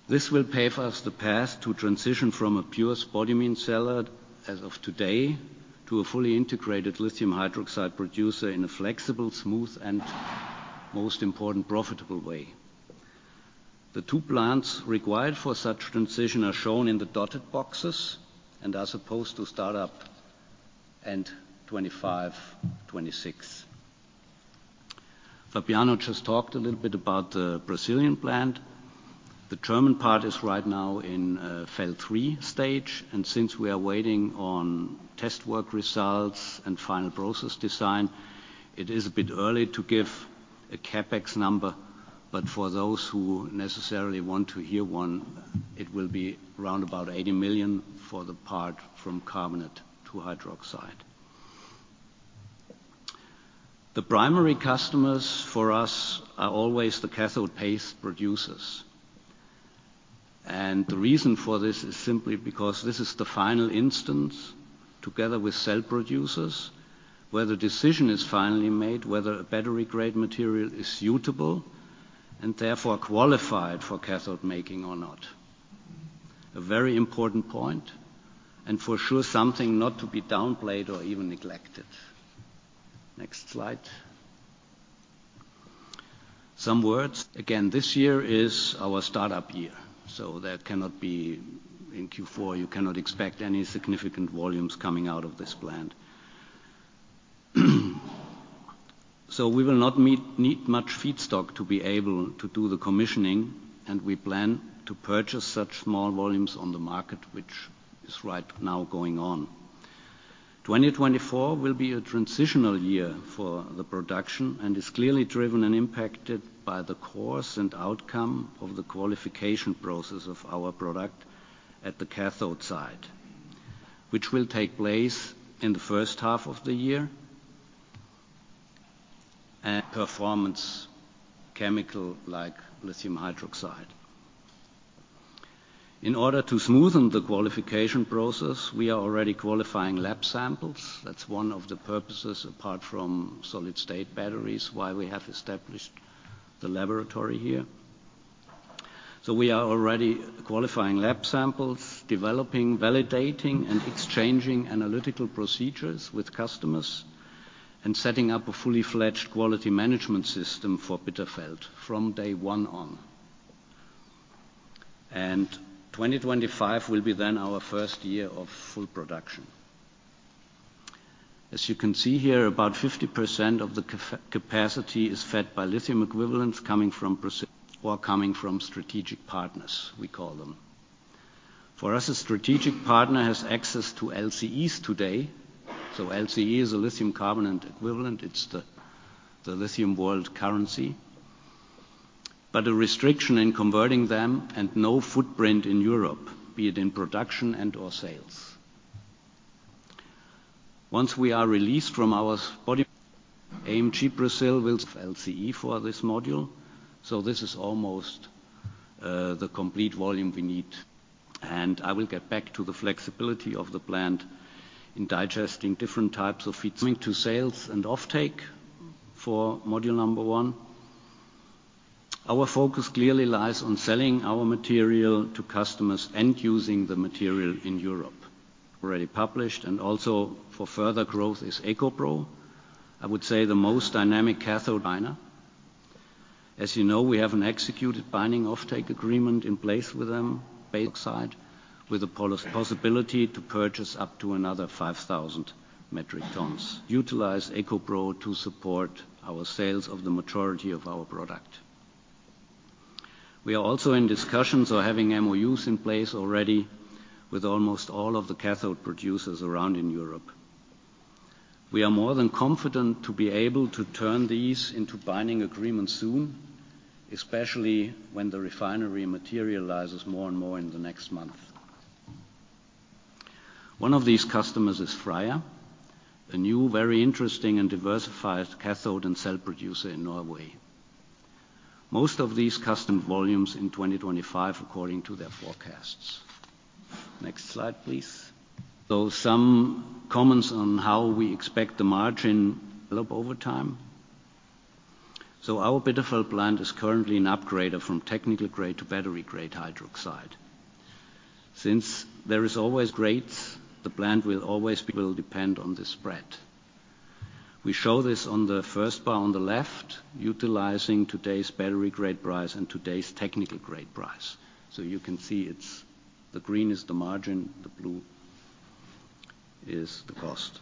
Speaker 4: This will pave us the path to transition from a pure spodumene seller as of today to a fully integrated lithium hydroxide producer in a flexible, smooth, and most important, profitable way. The two plants required for such transition are shown in the dotted boxes and are supposed to start up end 2025, 2026. Fabiano just talked a little bit about the Brazilian plant. The German part is right now in phase three stage. Since we are waiting on test work results and final process design, it is a bit early to give a CapEx number. For those who necessarily want to hear one, it will be around about 80 million for the part from carbonate to hydroxide. The primary customers for us are always the cathode paste producers. The reason for this is simply because this is the final instance, together with cell producers, where the decision is finally made whether a battery-grade material is suitable and therefore qualified for cathode making or not. A very important point, for sure something not to be downplayed or even neglected. Next slide. Some words. This year is our startup year, so that cannot be in Q4 you cannot expect any significant volumes coming out of this plant. We will not need much feedstock to be able to do the commissioning, and we plan to purchase such small volumes on the market, which is right now going on. 2024 will be a transitional year for the production and is clearly driven and impacted by the course and outcome of the qualification process of our product at the cathode side, which will take place in the first half of the year and-- performance chemical like lithium hydroxide. In order to smoothen the qualification process, we are already qualifying lab samples. That's one of the purposes, apart from solid-state batteries, why we have established the laboratory here. We are already qualifying lab samples, developing, validating, and exchanging analytical procedures with customers, and setting up a fully-fledged quality management system for Bitterfeld from day one on. 2025 will be then our first year of full production. As you can see here, about 50% of the capacity is fed by lithium equivalents coming from Brazil or coming from strategic partners, we call them. For us, a strategic partner has access to LCEs today. LCE is a lithium carbonate equivalent. It's the lithium world currency. A restriction in converting them and no footprint in Europe, be it in production and/or sales. Once we are released from our spodumene, AMG Brasil will have LCE for this module. This is almost the complete volume we need. I will get back to the flexibility of the plant in digesting different types of feed. Coming to sales and offtake for module number one. Our focus clearly lies on selling our material to customers and using the material in Europe. Already published and also for further growth is EcoPro, I would say the most dynamic cathode miner. As you know, we have an executed binding offtake agreement in place with them. With the possibility to purchase up to another 5,000 metric tons. Utilize EcoPro to support our sales of the majority of our product. We are also in discussions or having MOUs in place already with almost all of the cathode producers around in Europe. We are more than confident to be able to turn these into binding agreements soon, especially when the refinery materializes more and more in the next month. One of these customers is FREYR, a new, very interesting and diversified cathode and cell producer in Norway. Most of these custom volumes in 2025 according to their forecasts. Next slide, please. Some comments on how we expect the margin develop over time. Our Bitterfeld plant is currently an upgrader from technical-grade to battery-grade hydroxide. Since there is always grades, the plant will always depend on the spread. We show this on the first bar on the left, utilizing today's battery-grade price and today's technical-grade price. You can see it's the green is the margin, the blue is the cost.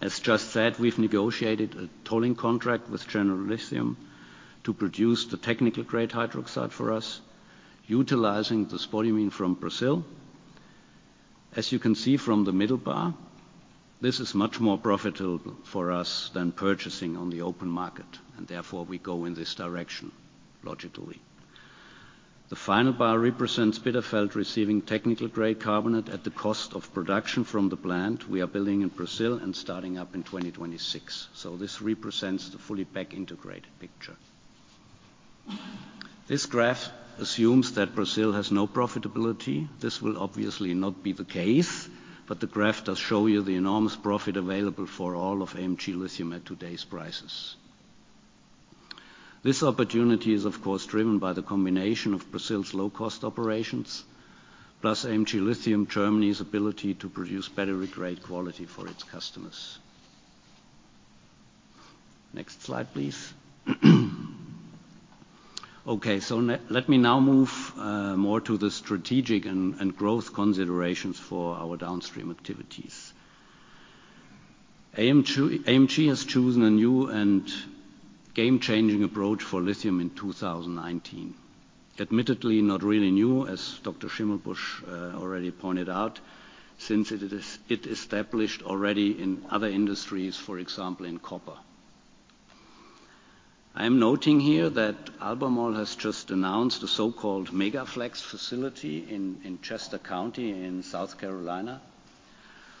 Speaker 4: As just said, we've negotiated a tolling contract with General Lithium to produce the technical-grade hydroxide for us, utilizing the spodumene from Brazil. As you can see from the middle bar, this is much more profitable for us than purchasing on the open market, and therefore we go in this direction logically. The final bar represents Bitterfeld receiving technical-grade carbonate at the cost of production from the plant we are building in Brazil and starting up in 2026. This represents the fully back-integrated picture. This graph assumes that Brazil has no profitability. This will obviously not be the case, but the graph does show you the enormous profit available for all of AMG Lithium at today's prices. This opportunity is of course driven by the combination of Brazil's low-cost operations, plus AMG Lithium Germany's ability to produce battery-grade quality for its customers. Next slide, please. Let me now move more to the strategic and growth considerations for our downstream activities. AMG has chosen a new and game-changing approach for lithium in 2019. Admittedly, not really new, as Dr. Schimmelbusch already pointed out, since it established already in other industries, for example, in copper. I am noting here that Albemarle has just announced a so-called Mega-Flex facility in Chester County in South Carolina,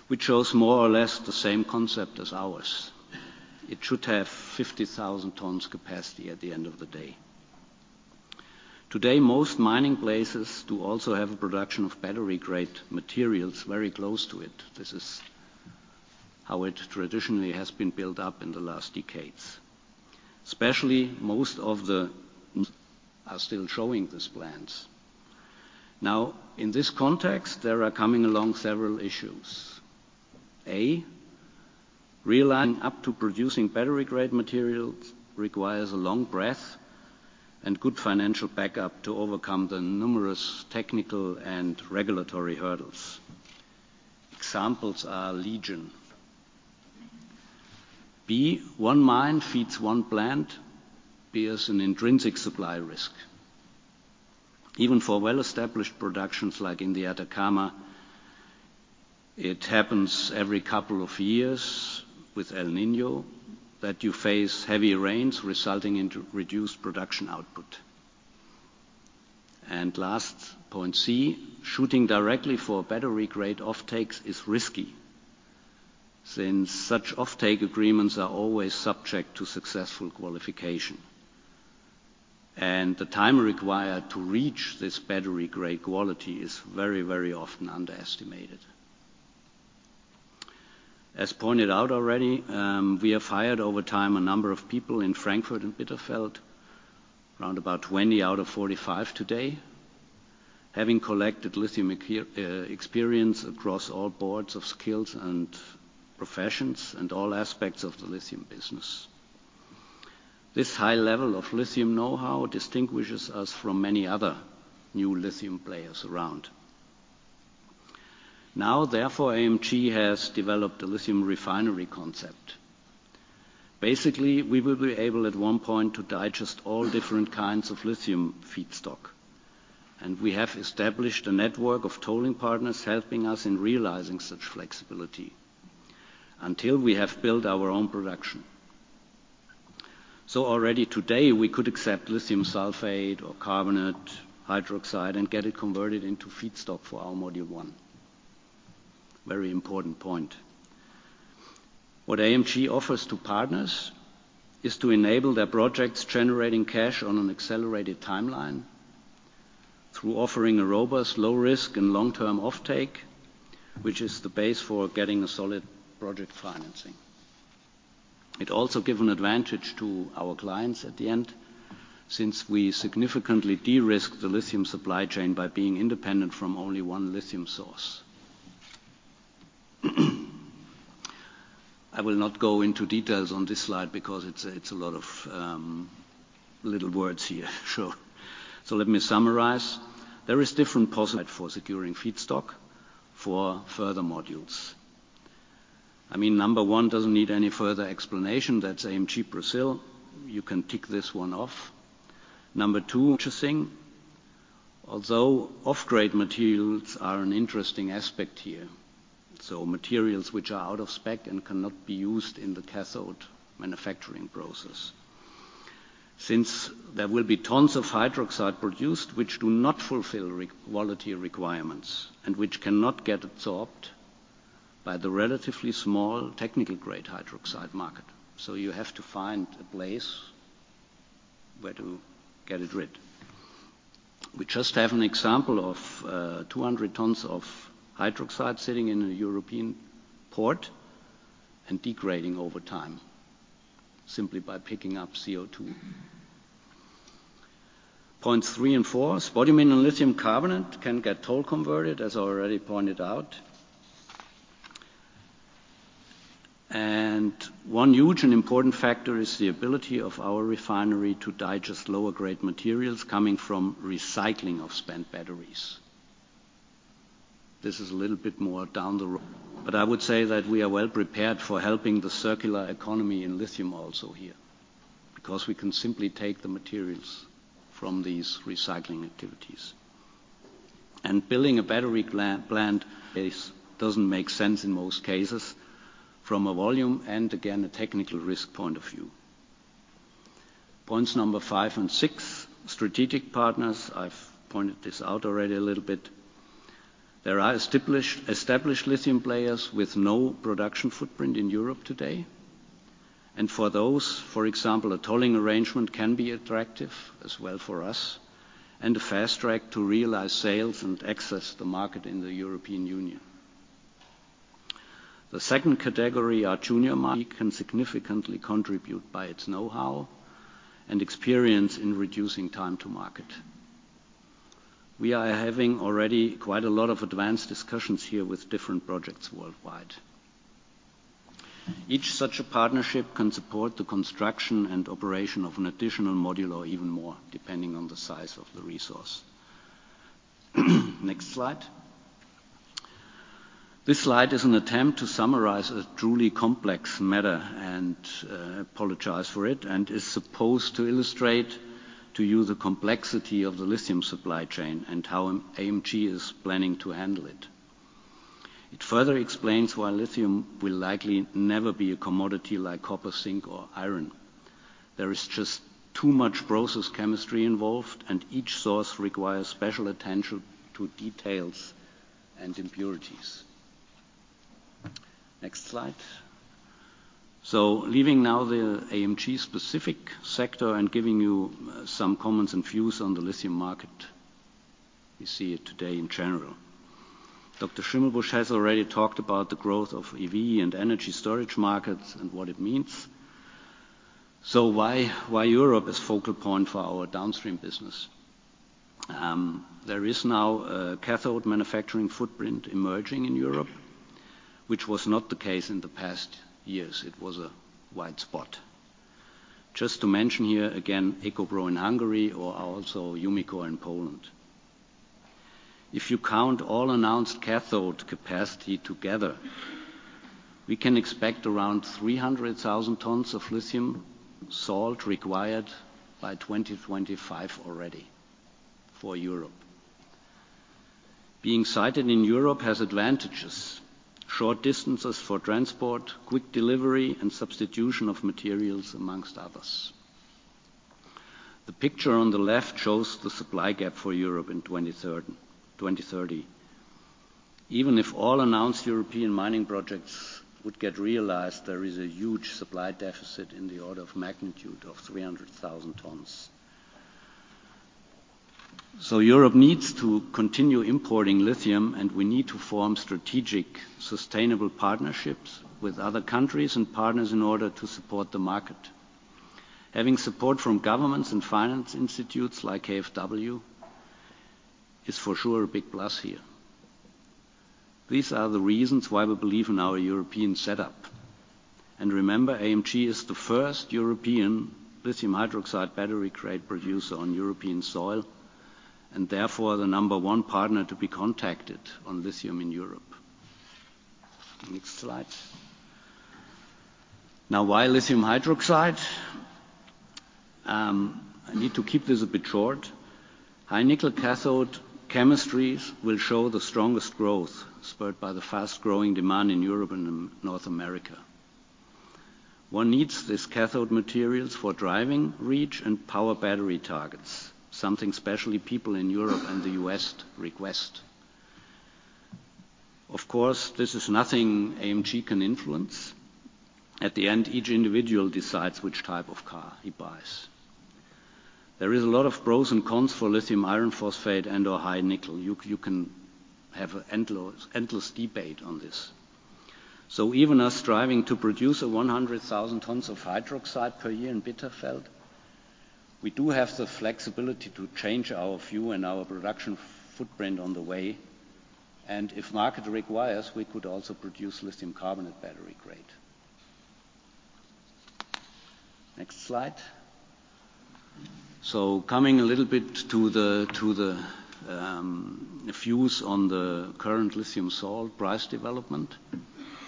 Speaker 4: which shows more or less the same concept as ours. It should have 50,000 tons capacity at the end of the day. Today, most mining places do also have a production of battery-grade materials very close to it. This is how it traditionally has been built up in the last decades, especially most of the are still showing these plans. Now, in this context, there are coming along several issues. A: Realigning up to producing battery-grade materials requires a long breath and good financial backup to overcome the numerous technical and regulatory hurdles. Examples are legion. B: One mine feeds one plant, bears an intrinsic supply risk. Even for well-established productions like in the Atacama, it happens every couple of years with El Niño that you face heavy rains resulting into reduced production output. Last, point C: Shooting directly for battery-grade offtakes is risky, since such offtake agreements are always subject to successful qualification. The time required to reach this battery-grade quality is very, very often underestimated. As pointed out already, we have hired over time a number of people in Frankfurt and Bitterfeld, around about 20 out of 45 today, having collected lithium experience across all boards of skills and professions and all aspects of the lithium business. This high level of lithium know-how distinguishes us from many other new lithium players around. Therefore, AMG has developed a lithium refinery concept. Basically, we will be able at one point to digest all different kinds of lithium feedstock, and we have established a network of tolling partners helping us in realizing such flexibility until we have built our own production. Already today, we could accept lithium sulfate or carbonate, hydroxide and get it converted into feedstock for our Module one. Very important point. What AMG offers to partners is to enable their projects generating cash on an accelerated timeline through offering a robust, low-risk and long-term offtake, which is the base for getting a solid project financing. It also give an advantage to our clients at the end, since we significantly de-risk the lithium supply chain by being independent from only one lithium source. I will not go into details on this slide because it's a lot of little words here. Sure. Let me summarize. There is different possible for securing feedstock for further modules. I mean, Number one doesn't need any further explanation. That's AMG Brazil. You can tick this one off. Number two, interesting, although off-grade materials are an interesting aspect here. Materials which are out of spec and cannot be used in the cathode manufacturing process. There will be tons of hydroxide produced which do not fulfill quality requirements and which cannot get absorbed by the relatively small technical-grade hydroxide market. You have to find a place where to get it rid. We just have an example of 200 tons of hydroxide sitting in a European port and degrading over time simply by picking up CO2. Points three and four, spodumene and lithium carbonate can get toll converted, as already pointed out. One huge and important factor is the ability of our refinery to digest lower grade materials coming from recycling of spent batteries. This is a little bit more down the road, but I would say that we are well prepared for helping the circular economy in lithium also here, because we can simply take the materials from these recycling activities. Building a battery plant is, doesn't make sense in most cases from a volume and again, a technical risk point of view. Points five and six, strategic partners. I've pointed this out already a little bit. There are established lithium players with no production footprint in Europe today. For those, for example, a tolling arrangement can be attractive as well for us, and a fast track to realize sales and access the market in the European Union. The second category are We can significantly contribute by its knowhow and experience in reducing time to market. We are having already quite a lot of advanced discussions here with different projects worldwide. Each such a partnership can support the construction and operation of an additional module or even more, depending on the size of the resource. Next slide. This slide is an attempt to summarize a truly complex matter, I apologize for it, and is supposed to illustrate to you the complexity of the lithium supply chain and how AMG is planning to handle it. It further explains why lithium will likely never be a commodity like copper, zinc or iron. Next slide. Leaving now the AMG specific sector and giving you some comments and views on the lithium market, we see it today in general. Dr. Schimmelbusch has already talked about the growth of EV and energy storage markets and what it means. Why Europe is focal point for our downstream business? There is now a cathode manufacturing footprint emerging in Europe, which was not the case in the past years. It was a wide spot. Just to mention here again, EcoPro in Hungary or also Umicore in Poland. If you count all announced cathode capacity together, we can expect around 300,000 tons of lithium salt required by 2025 already for Europe. Being sited in Europe has advantages. Short distances for transport, quick delivery and substitution of materials, amongst others. The picture on the left shows the supply gap for Europe in 2030. Even if all announced European mining projects would get realized, there is a huge supply deficit in the order of magnitude of 300,000 tons. Europe needs to continue importing lithium, and we need to form strategic, sustainable partnerships with other countries and partners in order to support the market. Having support from governments and finance institutes like KfW is for sure a big plus here. These are the reasons why we believe in our European setup. Remember, AMG is the first European lithium hydroxide battery-grade producer on European soil, and therefore the number one partner to be contacted on lithium in Europe. Next slide. Why lithium hydroxide? I need to keep this a bit short. High nickel cathode chemistries will show the strongest growth, spurred by the fast-growing demand in Europe and in North America. One needs these cathode materials for driving reach and power battery targets, something especially people in Europe and the U.S. request. Of course, this is nothing AMG can influence. At the end, each individual decides which type of car he buys. There is a lot of pros and cons for lithium iron phosphate and/or high nickel. You can have endless debate on this. Even us striving to produce 100,000 tons of hydroxide per year in Bitterfeld, we do have the flexibility to change our view and our production footprint on the way. If market requires, we could also produce lithium carbonate battery grade. Next slide. Coming a little bit to the views on the current lithium salt price development,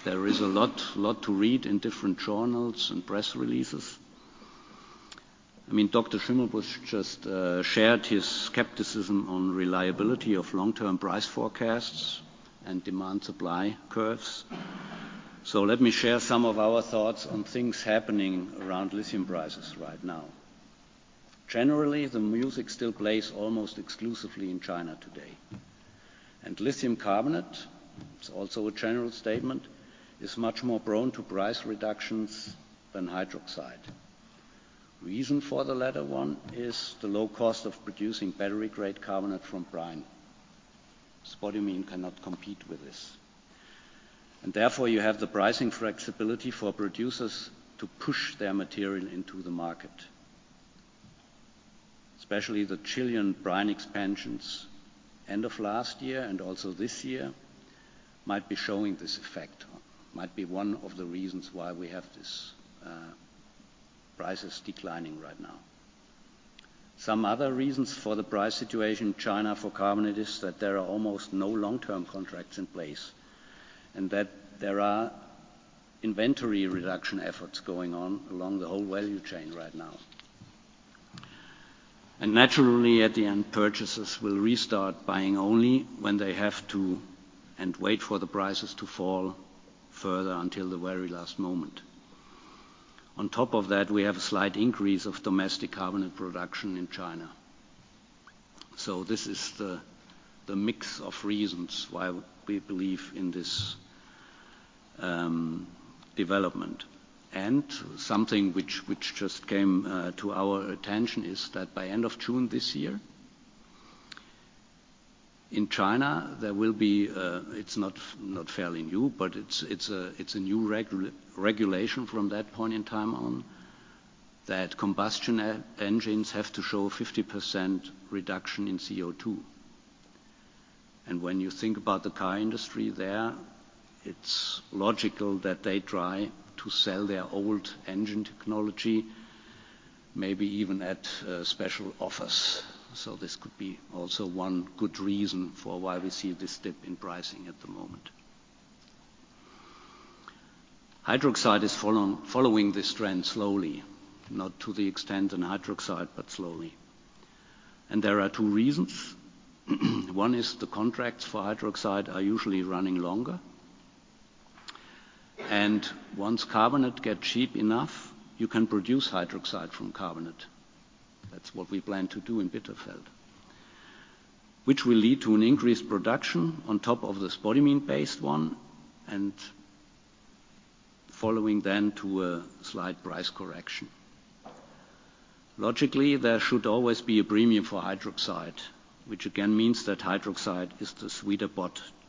Speaker 4: there is a lot to read in different journals and press releases. I mean, Dr. Schimmelbusch just shared his skepticism on reliability of long-term price forecasts and demand-supply curves. Let me share some of our thoughts on things happening around lithium prices right now. Generally, the music still plays almost exclusively in China today. Lithium carbonate, it's also a general statement, is much more prone to price reductions than hydroxide. Reason for the latter one is the low cost of producing battery-grade carbonate from brine. Spodumene cannot compete with this. Therefore, you have the pricing flexibility for producers to push their material into the market. Especially the Chilean brine expansions end of last year and also this year might be showing this effect, might be one of the reasons why we have this prices declining right now. Some other reasons for the price situation in China for carbonate is that there are almost no long-term contracts in place, and that there are inventory reduction efforts going on along the whole value chain right now. Naturally, at the end, purchasers will restart buying only when they have to, and wait for the prices to fall further until the very last moment. On top of that, we have a slight increase of domestic carbonate production in China. This is the mix of reasons why we believe in this development. Something which just came to our attention is that by end of June this year, in China, there will be it's not fairly new, but it's a new regulation from that point in time on, that combustion e-engines have to show 50% reduction in CO2. When you think about the car industry there, it's logical that they try to sell their old engine technology, maybe even at special offers. This could be also one good reason for why we see this dip in pricing at the moment. Hydroxide is following this trend slowly. Not to the extent in hydroxide, but slowly. There are two reasons. One is the contracts for hydroxide are usually running longer, and once carbonate get cheap enough, you can produce hydroxide from carbonate. That's what we plan to do in Bitterfeld. Which will lead to an increased production on top of the spodumene-based one, and following then to a slight price correction. Logically, there should always be a premium for hydroxide, which again means that hydroxide is the sweeter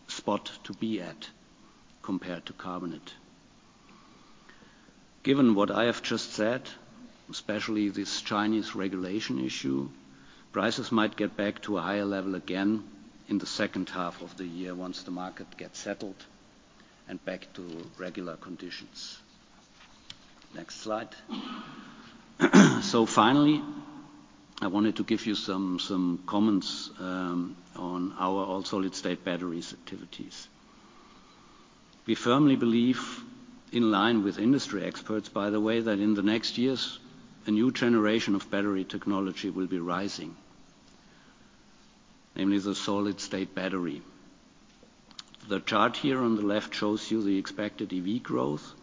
Speaker 4: spot to be at compared to carbonate. Given what I have just said, especially this Chinese regulation issue, prices might get back to a higher level again in the second half of the year once the market gets settled and back to regular conditions. Next slide. Finally, I wanted to give you some comments on our all-solid-state batteries activities. We firmly believe, in line with industry experts, by the way, that in the next years, a new generation of battery technology will be rising. Namely, the solid-state battery. The chart here on the left shows you the expected EV growth,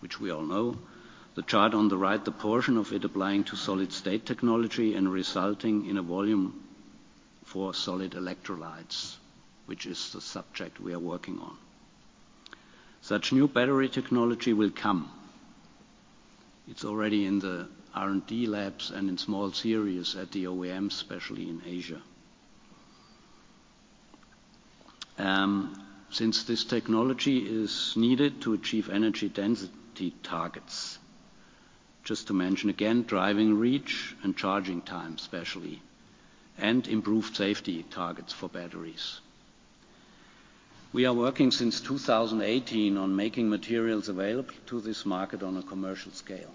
Speaker 4: which we all know. The chart on the right, the portion of it applying to solid-state technology and resulting in a volume for solid electrolytes, which is the subject we are working on. Such new battery technology will come. It's already in the R&D labs and in small series at the OEM, especially in Asia. Since this technology is needed to achieve energy density targets, just to mention again, driving reach and charging time especially, and improved safety targets for batteries. We are working since 2018 on making materials available to this market on a commercial scale.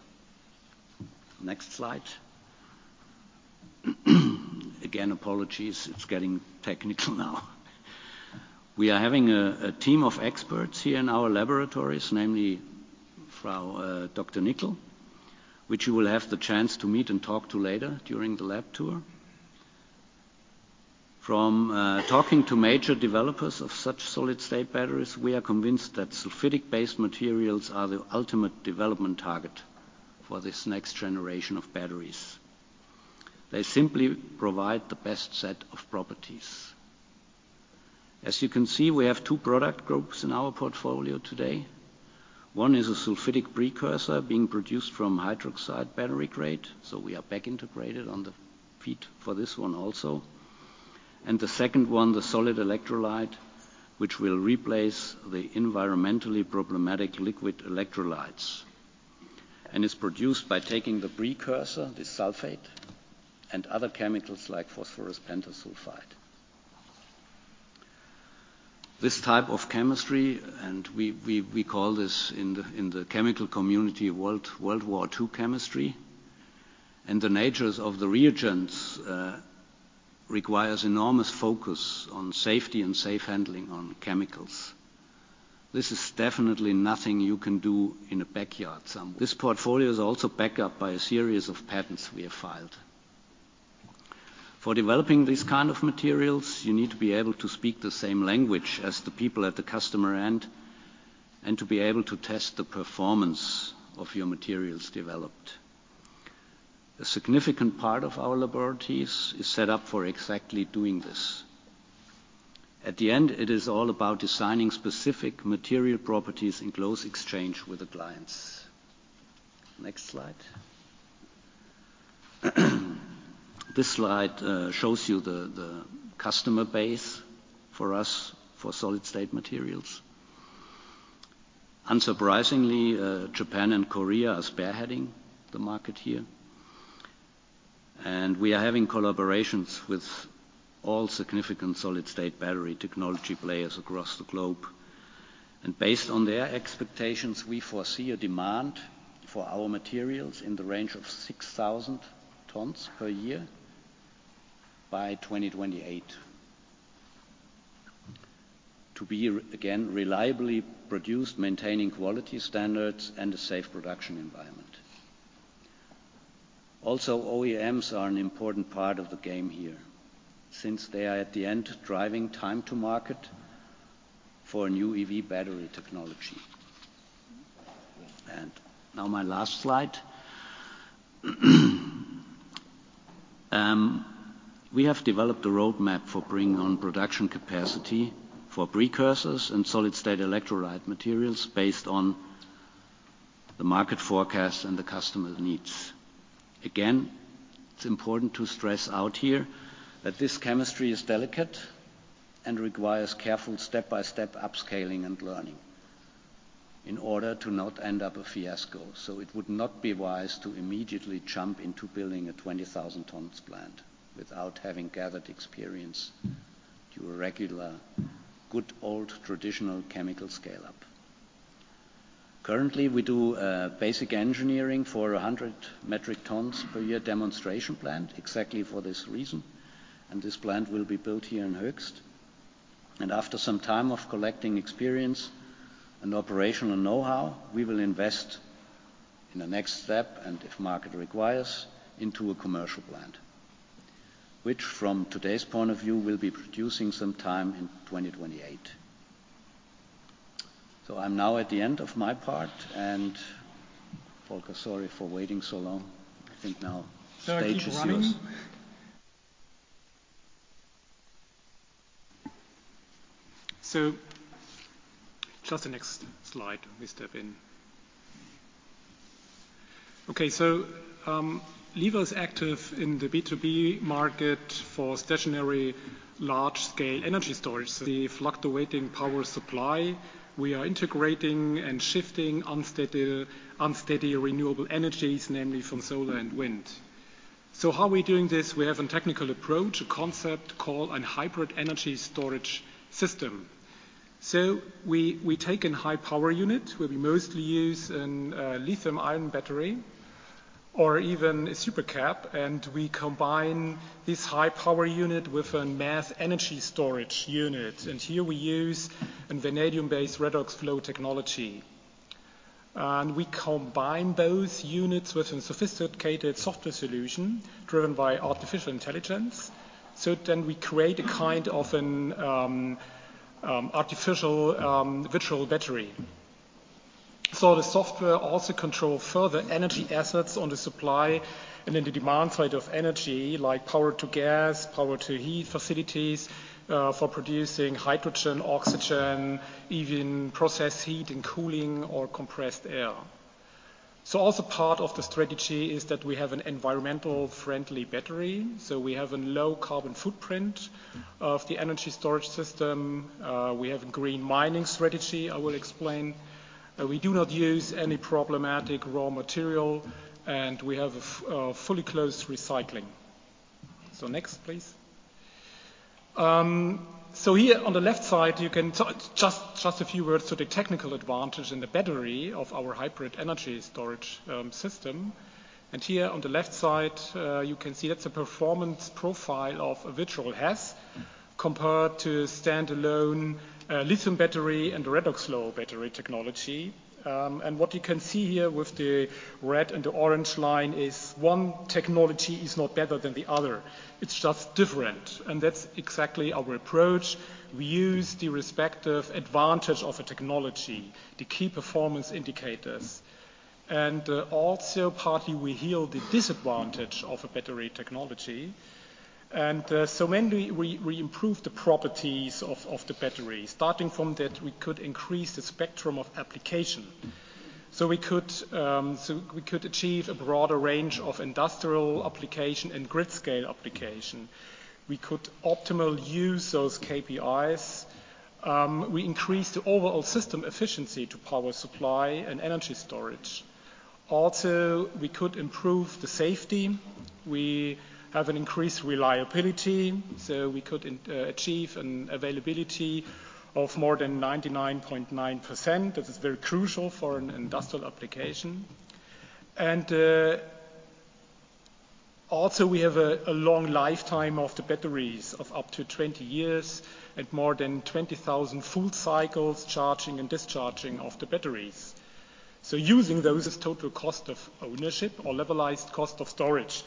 Speaker 4: Next slide. Again, apologies, it's getting technical now. We are having a team of experts here in our laboratories, namely Frau Dr. Nickell, which you will have the chance to meet and talk to later during the lab tour. From talking to major developers of such solid-state batteries, we are convinced that sulfidic-based materials are the ultimate development target for this next generation of batteries. They simply provide the best set of properties. As you can see, we have two product groups in our portfolio today. One is a sulfidic precursor being produced from hydroxide battery grade. We are back integrated for this one also. The second one, the solid electrolyte, which will replace the environmentally problematic liquid electrolytes, and is produced by taking the precursor, the sulfate, and other chemicals like phosphorus pentasulfide. This type of chemistry, and we call this in the chemical community World War II chemistry, and the natures of the reagents requires enormous focus on safety and safe handling on chemicals. This is definitely nothing you can do in a backyard somewhere. This portfolio is also backed up by a series of patents we have filed. For developing these kind of materials, you need to be able to speak the same language as the people at the customer end, and to be able to test the performance of your materials developed. A significant part of our laboratories is set up for exactly doing this. At the end, it is all about designing specific material properties in close exchange with the clients. Next slide. This slide shows you the customer base for us for solid-state materials. Unsurprisingly, Japan and Korea are spearheading the market here. We are having collaborations with all significant solid-state battery technology players across the globe. Based on their expectations, we foresee a demand for our materials in the range of 6,000 tons per year by 2028 to be re-again reliably produced, maintaining quality standards and a safe production environment. Also, OEMs are an important part of the game here since they are at the end driving time to market for a new EV battery technology. Now my last slide. We have developed a roadmap for bringing on production capacity for precursors and solid-state electrolyte materials based on the market forecast and the customer's needs. Again, it's important to stress out here that this chemistry is delicate and requires careful step-by-step upscaling and learning in order to not end up a fiasco. It would not be wise to immediately jump into building a 20,000 tons plant without having gathered experience through a regular, good old traditional chemical scale-up. Currently, we do basic engineering for a 100 metric tons per year demonstration plant exactly for this reason, and this plant will be built here in Höchst. After some time of collecting experience and operational know-how, we will invest in the next step, and if market requires, into a commercial plant, which from today's point of view, will be producing some time in 2028. I'm now at the end of my part, and Volker, sorry for waiting so long. I think now the stage is yours. Shall I keep it running? Just the next slide, please step in. Okay. LIVA is active in the B2B market for stationary large-scale energy storage. The fluctuating power supply, we are integrating and shifting unsteady renewable energies, namely from solar and wind. How are we doing this? We have a technical approach, a concept called a hybrid energy storage system. We take in high power unit, where we mostly use a lithium-ion battery or even a supercapacitor, and we combine this high power unit with a mass energy storage unit. Here we use a vanadium-based redox flow technology. We combine those units with a sophisticated software solution driven by artificial intelligence. We create a kind of an artificial virtual battery. The software also control further energy assets on the supply and then the demand side of energy, like Power-to-Gas, Power-to-Heat facilities, for producing hydrogen, oxygen, even process heat and cooling or compressed air. Also part of the strategy is that we have an environmental friendly battery. We have a low carbon footprint of the energy storage system. We have green mining strategy I will explain. We do not use any problematic raw material, and we have fully closed recycling. Next, please. Here on the left side, you can... Just a few words to the technical advantage in the battery of our hybrid energy storage system. Here on the left side, you can see that's a performance profile of a virtual HESS compared to standalone, lithium battery and redox-flow battery technology. What you can see here with the red and the orange line is one technology is not better than the other. It's just different. That's exactly our approach. We use the respective advantage of a technology, the key performance indicators. Also partly we heal the disadvantage of a battery technology. When we improve the properties of the battery, starting from that we could increase the spectrum of application. We could achieve a broader range of industrial application and grid scale application. We could optimal use those KPIs. We increased the overall system efficiency to power supply and energy storage. Also, we could improve the safety. We have an increased reliability, we could achieve an availability of more than 99.9%. That is very crucial for an industrial application. Also we have a long lifetime of the batteries of up to 20 years and more than 20,000 full cycles charging and discharging of the batteries. Using those as total cost of ownership or Levelized Cost of Storage,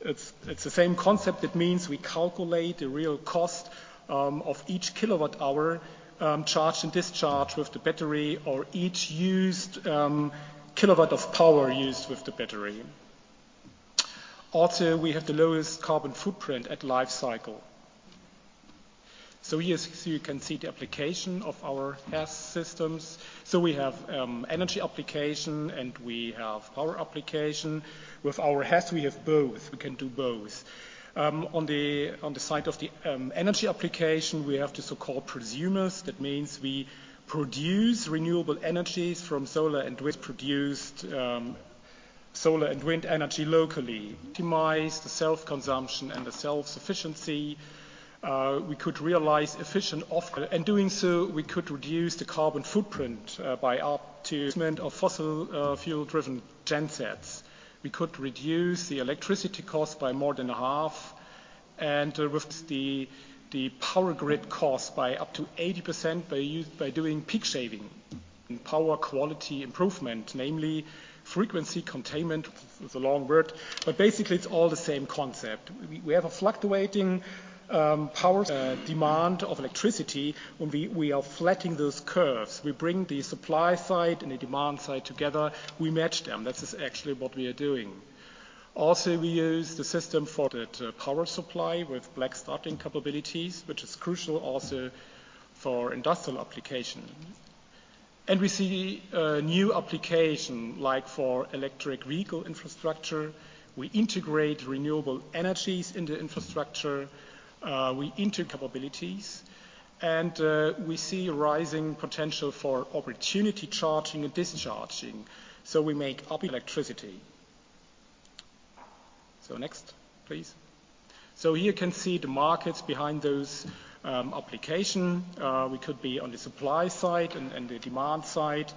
Speaker 4: it's the same concept. It means we calculate the real cost of each kilowatt hour charged and discharged with the battery or each used kilowatt of power used with the battery. We have the lowest carbon footprint at life cycle. Here's, you can see the application of our HESS systems. We have energy application, and we have power application. With our HESS, we have both. We can do both. On the side of the energy application, we have the so-called prosumers. That means we produce renewable energies from solar and wind, produced solar and wind energy locally. Optimize the self-consumption and the self-sufficiency. In doing so, we could reduce the carbon footprint by up to replacement of fossil fuel-driven gen sets. We could reduce the electricity cost by more than half and reduce the power grid cost by up to 80% by doing peak shaving and power quality improvement, namely frequency containment. It's a long word, but basically it's all the same concept. We have a fluctuating power demand of electricity when we are flattening those curves. We bring the supply side and the demand side together. We match them. This is actually what we are doing. We use the system for the power supply with black starting capabilities, which is crucial also for industrial applications. We see new applications like for electric vehicle infrastructure. We integrate renewable energies in the infrastructure. We inter capabilities and we see rising potential for opportunity charging and discharging. We make up electricity. Next, please. Here you can see the markets behind those applications. We could be on the supply side and the demand side.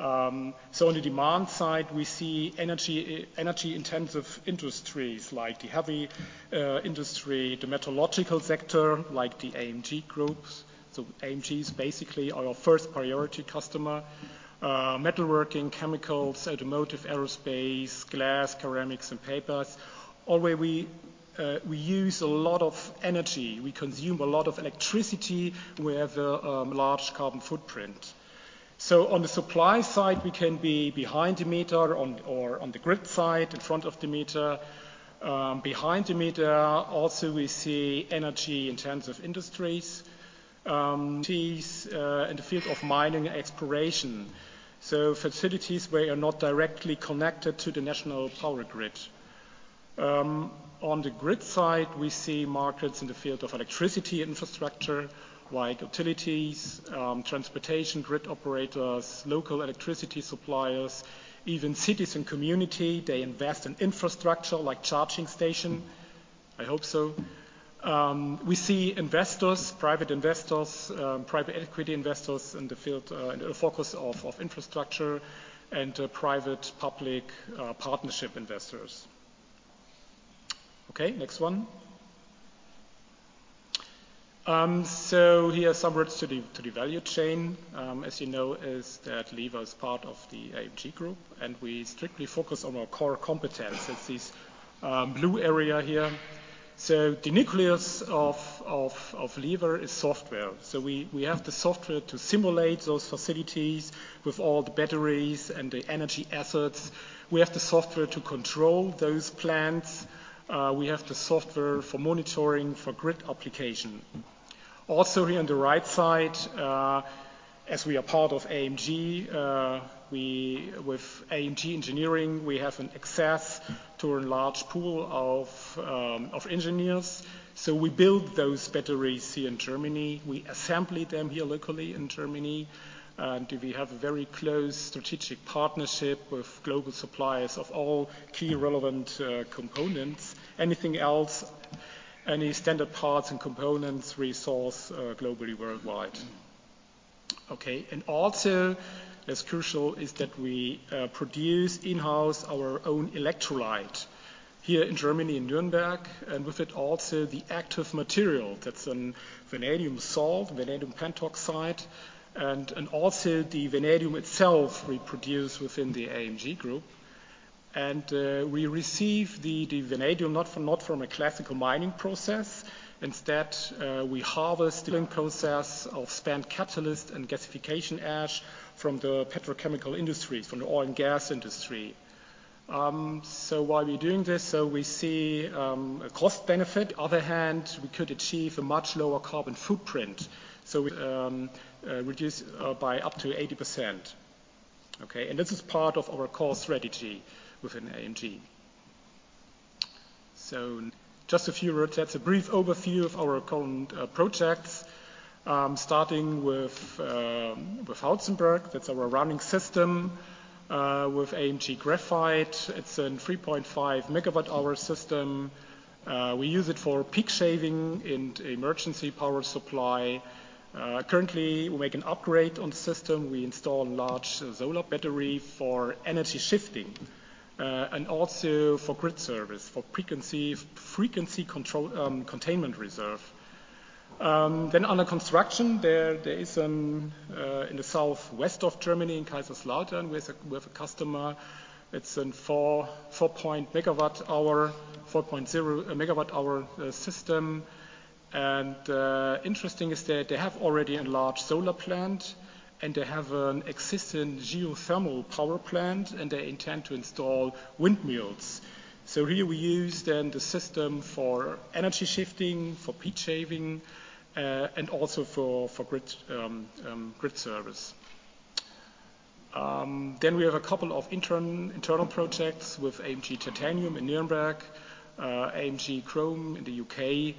Speaker 4: On the demand side we see energy intensive industries like the heavy industry, the metallurgical sector, like the AMG groups. AMG is basically our first priority customer. Metalworking, chemicals, automotive, aerospace, glass, ceramics and papers, all where we use a lot of energy. We consume a lot of electricity. We have a large carbon footprint. On the supply side we can be behind the meter on or on the grid side, in front of the meter. Behind the meter also we see energy intensive industries, ties in the field of mining exploration. Facilities where you're not directly connected to the national power grid. On the grid side, we see markets in the field of electricity infrastructure like utilities, transportation grid operators, local electricity suppliers, even cities and community. They invest in infrastructure like charging station. I hope so. We see investors, private investors, private equity investors in the field, in the focus of infrastructure and private public partnership investors. Okay, next one. Here are some roots to the value chain. As you know, LIVA is part of AMG, and we strictly focus on our core competence. It's this blue area here. The nucleus of LIVA is software. We have the software to simulate those facilities with all the batteries and the energy assets. We have the software to control those plants. We have the software for monitoring for grid application. Also here on the right side, as we are part of AMG, we with AMG Engineering, we have an access to a large pool of engineers. We build those batteries here in Germany. We assembly them here locally in Germany, and we have a very close strategic partnership with global suppliers of all key relevant components. Anything else, any standard parts and components we source globally, worldwide. Okay. Also as crucial is that we produce in-house our own electrolyte here in Germany, in Nürnberg. With it also the active material that's a vanadium salt, vanadium pentoxide, and also the vanadium itself we produce within the AMG Group. We receive the vanadium not from a classical mining process. Instead, we harvest different process of spent catalyst and gasification ash from the petrochemical industries, from the oil and gas industry. Why we're doing this, we see a cost benefit. Other hand, we could achieve a much lower carbon footprint, reduce by up to 80%. This is part of our core strategy within AMG. Just a few words. That's a brief overview of our current projects, starting with Hauzenberg, that's our running system. With AMG Graphite, it's a 3.5 MWh system. We use it for peak shaving and emergency power supply. Currently, we make an upgrade on the system. We install large solar battery for energy shifting, and also for grid service, for frequency control, containment reserve. Under construction there is in the southwest of Germany, in Kaiserslautern, we have a customer. It's a 4.0 MWh system. Interesting is that they have already a large solar plant, and they have an existing geothermal power plant, and they intend to install windmills. Here we use then the system for energy shifting, for peak shaving, and also for grid service. We have a couple of internal projects with AMG Titanium in Nuremberg, AMG Chrome in the U.K.,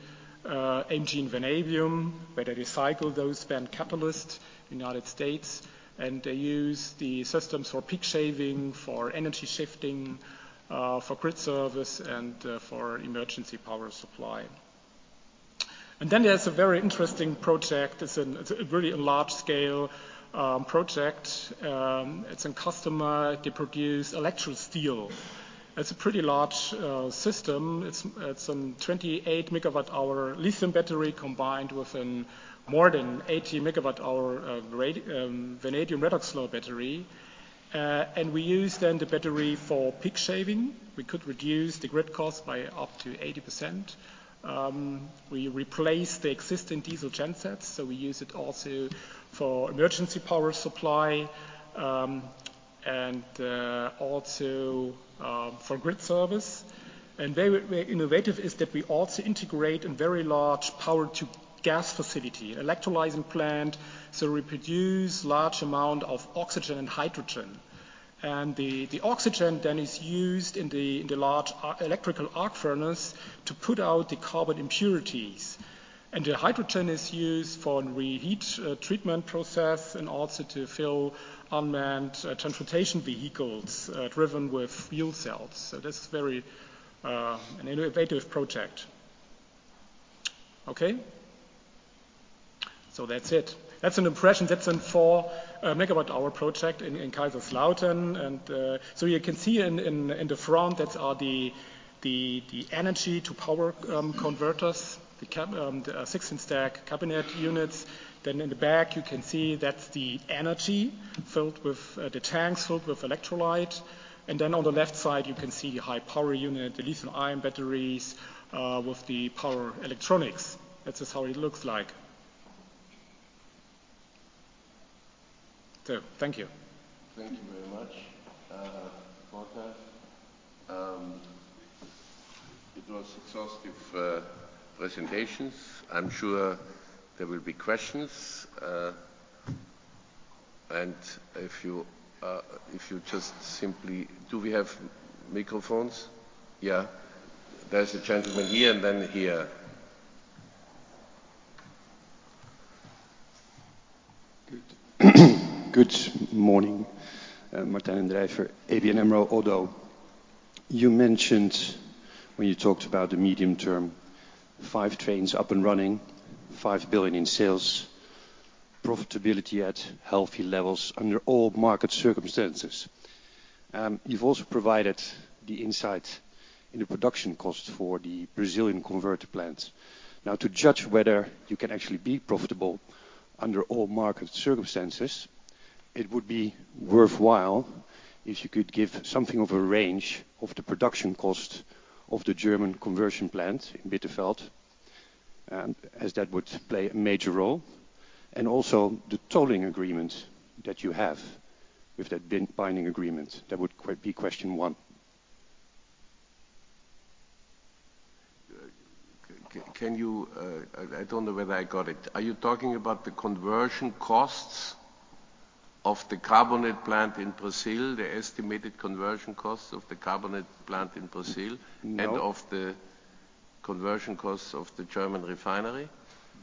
Speaker 4: AMG Vanadium, where they recycle those spent catalyst, United States, and they use the systems for peak shaving, for energy shifting, for grid service, and for emergency power supply. There's a very interesting project. It's a really large scale project. It's a customer, they produce electric steel. It's a pretty large system. It's a 28 MWh lithium battery combined with a more than 80 MWh vanadium redox flow battery. We use then the battery for peak shaving. We could reduce the grid cost by up to 80%. We replace the existing diesel gen sets, so we use it also for emergency power supply, and also for grid service. Very innovative is that we also integrate a very large Power-to-Gas facility, electrolyzing plant. We produce large amount of oxygen and hydrogen. The oxygen then is used in the large Electric Arc Furnace to put out the carbon impurities. The hydrogen is used for a reheat treatment process and also to fill unmanned transportation vehicles driven with fuel cells. That's very, an innovative project. Okay. That's it. That's an impression. That's a four MWh project in Kaiserslautern. You can see in the front, that's all the energy to power converters, the six-inch stack cabinet units. In the back, you can see that's the energy filled with, the tanks filled with electrolyte. On the left side, you can see the high power unit, the lithium-ion batteries, with the power electronics. That is how it looks like. Thank you.
Speaker 2: Thank you very much, Volker. It was exhaustive presentations. I'm sure there will be questions. If you just simply... Do we have microphones? Yeah. There's a gentleman here and then here.
Speaker 5: Good morning, Martijn Drijver, ABN AMRO. You mentioned when you talked about the medium term, five trains up and running, 5 billion in sales, profitability at healthy levels under all market circumstances. You've also provided the insight in the production cost for the Brazilian converter plants. To judge whether you can actually be profitable under all market circumstances, it would be worthwhile if you could give something of a range of the production cost of the German conversion plant in Bitterfeld, as that would play a major role, and also the tolling agreement that you have, if there had been binding agreements. That would be question one.
Speaker 2: Can you, I don't know whether I got it. Are you talking about the conversion costs of the carbonate plant in Brazil, the estimated conversion costs of the carbonate plant in Brazil?
Speaker 5: No.
Speaker 2: Of the conversion costs of the German refinery?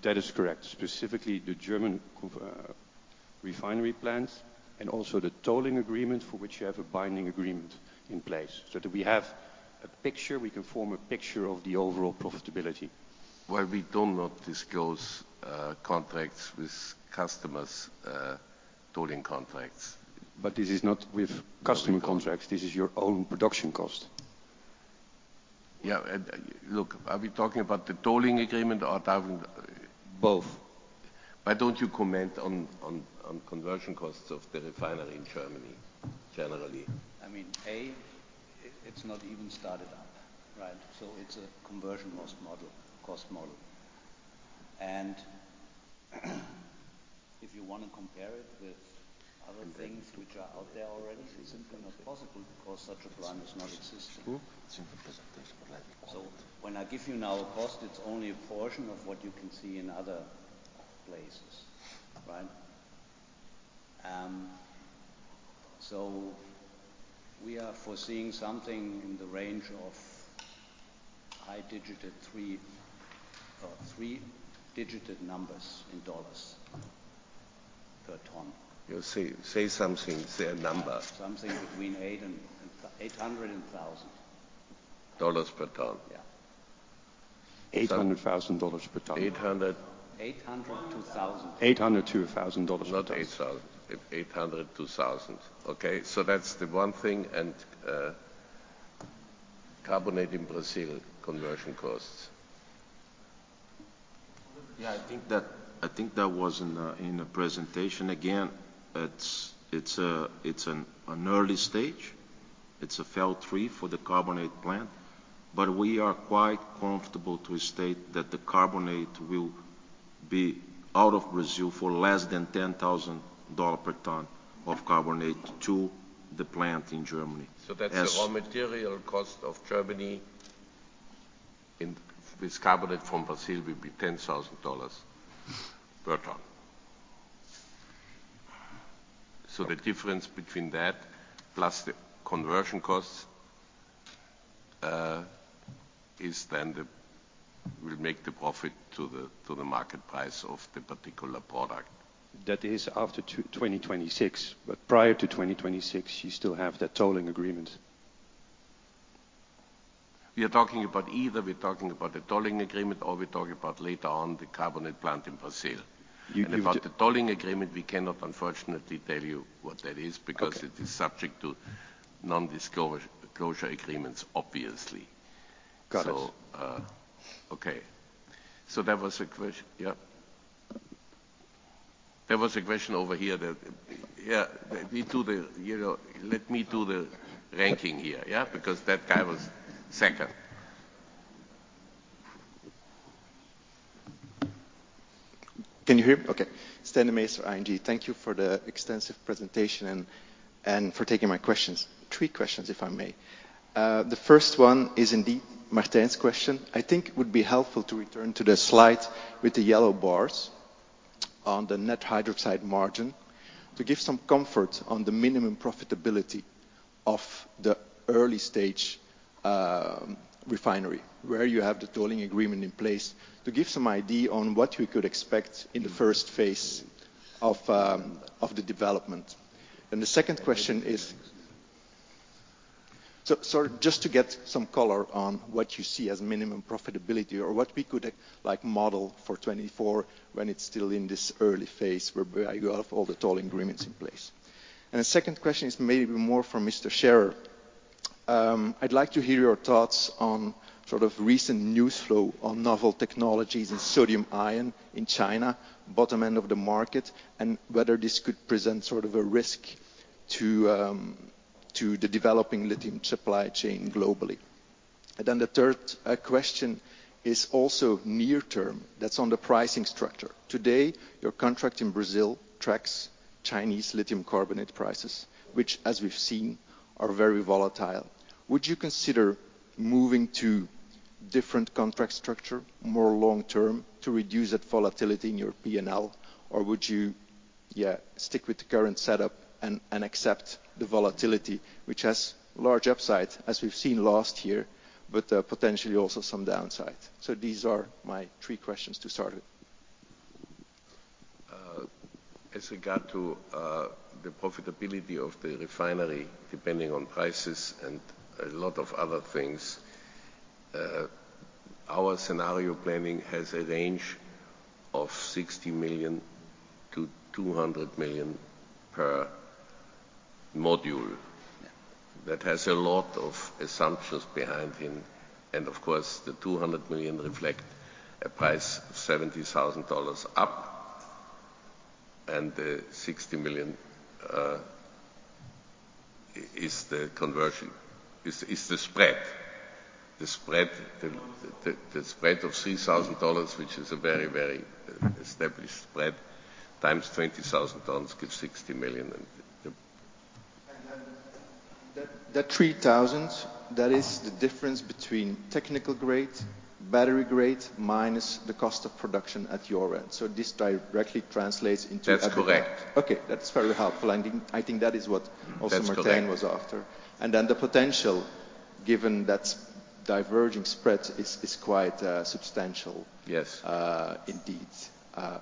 Speaker 5: That is correct. Specifically, the German refinery plants and also the tolling agreement for which you have a binding agreement in place, so that we have a picture, we can form a picture of the overall profitability.
Speaker 2: Well, we do not disclose contracts with customers, tolling contracts.
Speaker 5: This is not with customer contracts, this is your own production cost.
Speaker 2: Yeah, look, are we talking about the tolling agreement or?
Speaker 5: Both. Why don't you comment on conversion costs of the refinery in Germany, generally?
Speaker 4: I mean, A, it's not even started up, right? It's a conversion cost model. If you want to compare it with other things which are out there already,
Speaker 3: it's simply not possible because such a plant does not exist.
Speaker 4: When I give you now a cost, it's only a portion of what you can see in other places, right? We are foreseeing something in the range of high digit three, or three-digited numbers in dollars per ton.
Speaker 5: You say something, say a number.
Speaker 4: Something between $800 and $1,000.
Speaker 5: Dollars per ton?
Speaker 4: Yeah.
Speaker 5: $800,000 per ton. Eight hundred-
Speaker 2: 800-1,000.
Speaker 5: $800-$1,000 per ton. Not 8,000. 800 to 1,000. Okay, that's the one thing, carbonate in Brazil conversion costs.
Speaker 2: Yeah, I think that was in the presentation. Again, it's an early stage. It's a FEL 3 for the carbonate plant. We are quite comfortable to state that the carbonate will be out of Brazil for less than $10,000 per ton of carbonate to the plant in Germany. The raw material cost of Germany in this carbonate from Brazil will be $10,000 per ton. The difference between that plus the conversion costs, is then will make the profit to the, to the market price of the particular product.
Speaker 5: That is after 2026, but prior to 2026, you still have that tolling agreement.
Speaker 2: Either we're talking about the tolling agreement or we're talking about later on the carbonate plant in Brazil.
Speaker 5: You-
Speaker 2: about the tolling agreement, we cannot unfortunately tell you what that is.
Speaker 5: Okay.
Speaker 2: because it is subject to non-disclosure, disclosure agreements, obviously.
Speaker 5: Got it.
Speaker 2: Okay. There was a question over here that. We do the, you know, let me do the ranking here, yeah? That guy was second.
Speaker 6: Can you hear me? Okay. Stijn Demeester, ING. Thank you for the extensive presentation and for taking my questions. Three questions, if I may. The first one is indeed Martijn's question. I think it would be helpful to return to the slide with the yellow bars on the net hydroxide margin to give some comfort on the minimum profitability of the early-stage refinery, where you have the tolling agreement in place, to give some idea on what we could expect in the 1st phase of the development. The second question is... So just to get some color on what you see as minimum profitability or what we could, like, model for 2024 when it's still in this early phase whereby you have all the tolling agreements in place. The second question is maybe more for Mr. Scherer. I'd like to hear your thoughts on sort of recent news flow on novel technologies and sodium-ion in China, bottom end of the market, and whether this could present sort of a risk to the developing lithium supply chain globally. The third question is also near term. That's on the pricing structure. Today, your contract in Brazil tracks Chinese lithium carbonate prices, which as we've seen, are very volatile. Would you consider moving to different contract structure, more long-term, to reduce that volatility in your P&L? Would you stick with the current setup and accept the volatility, which has large upside, as we've seen last year, but potentially also some downside? These are my three questions to start with.
Speaker 2: As regard to, the profitability of the refinery, depending on prices and a lot of other things, our scenario planning has a range of $60 million-$200 million per module.
Speaker 6: Yeah.
Speaker 2: That has a lot of assumptions behind him, and of course, the $200 million reflect a price of $70,000 up, and the $60 million is the conversion, is the spread. The spread, the spread of $3,000, which is a very, very established spread, times 20,000 tons gives $60 million.
Speaker 6: That $3,000, that is the difference between technical grade, battery grade, minus the cost of production at your end. This directly translates into-
Speaker 7: That's correct.
Speaker 6: Okay. That's very helpful. I think that is what also-
Speaker 2: That's correct.
Speaker 6: Martin was after. Then the potential, given that diverging spread, is quite substantial.
Speaker 7: Yes.
Speaker 6: Indeed.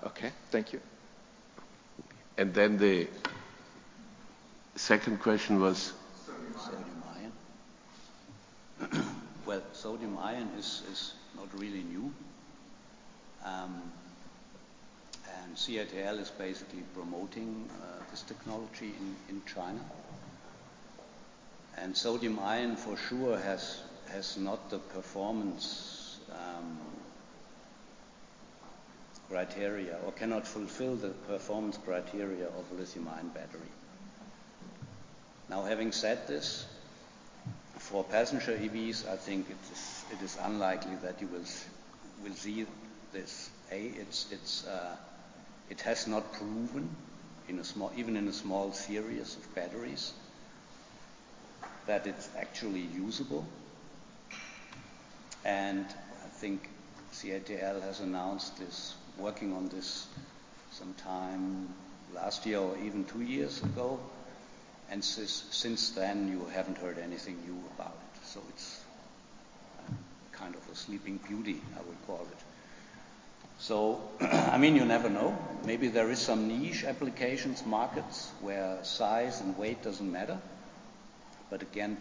Speaker 6: Okay. Thank you.
Speaker 2: The second question was?
Speaker 3: sodium-ion.
Speaker 4: Sodium-ion. Well, sodium-ion is not really new. CATL is basically promoting this technology in China. Sodium-ion, for sure, has not the performance criteria or cannot fulfill the performance criteria of a lithium-ion battery. Now having said this, for passenger EVs, I think it is unlikely that you will see this. It's, it has not proven in a small, even in a small series of batteries that it's actually usable. I think CATL has announced it's working on this some time last year or even two years ago, since then, you haven't heard anything new about it. It's kind of a sleeping beauty, I would call it. I mean, you never know. Maybe there is some niche applications markets where size and weight doesn't matter. Again,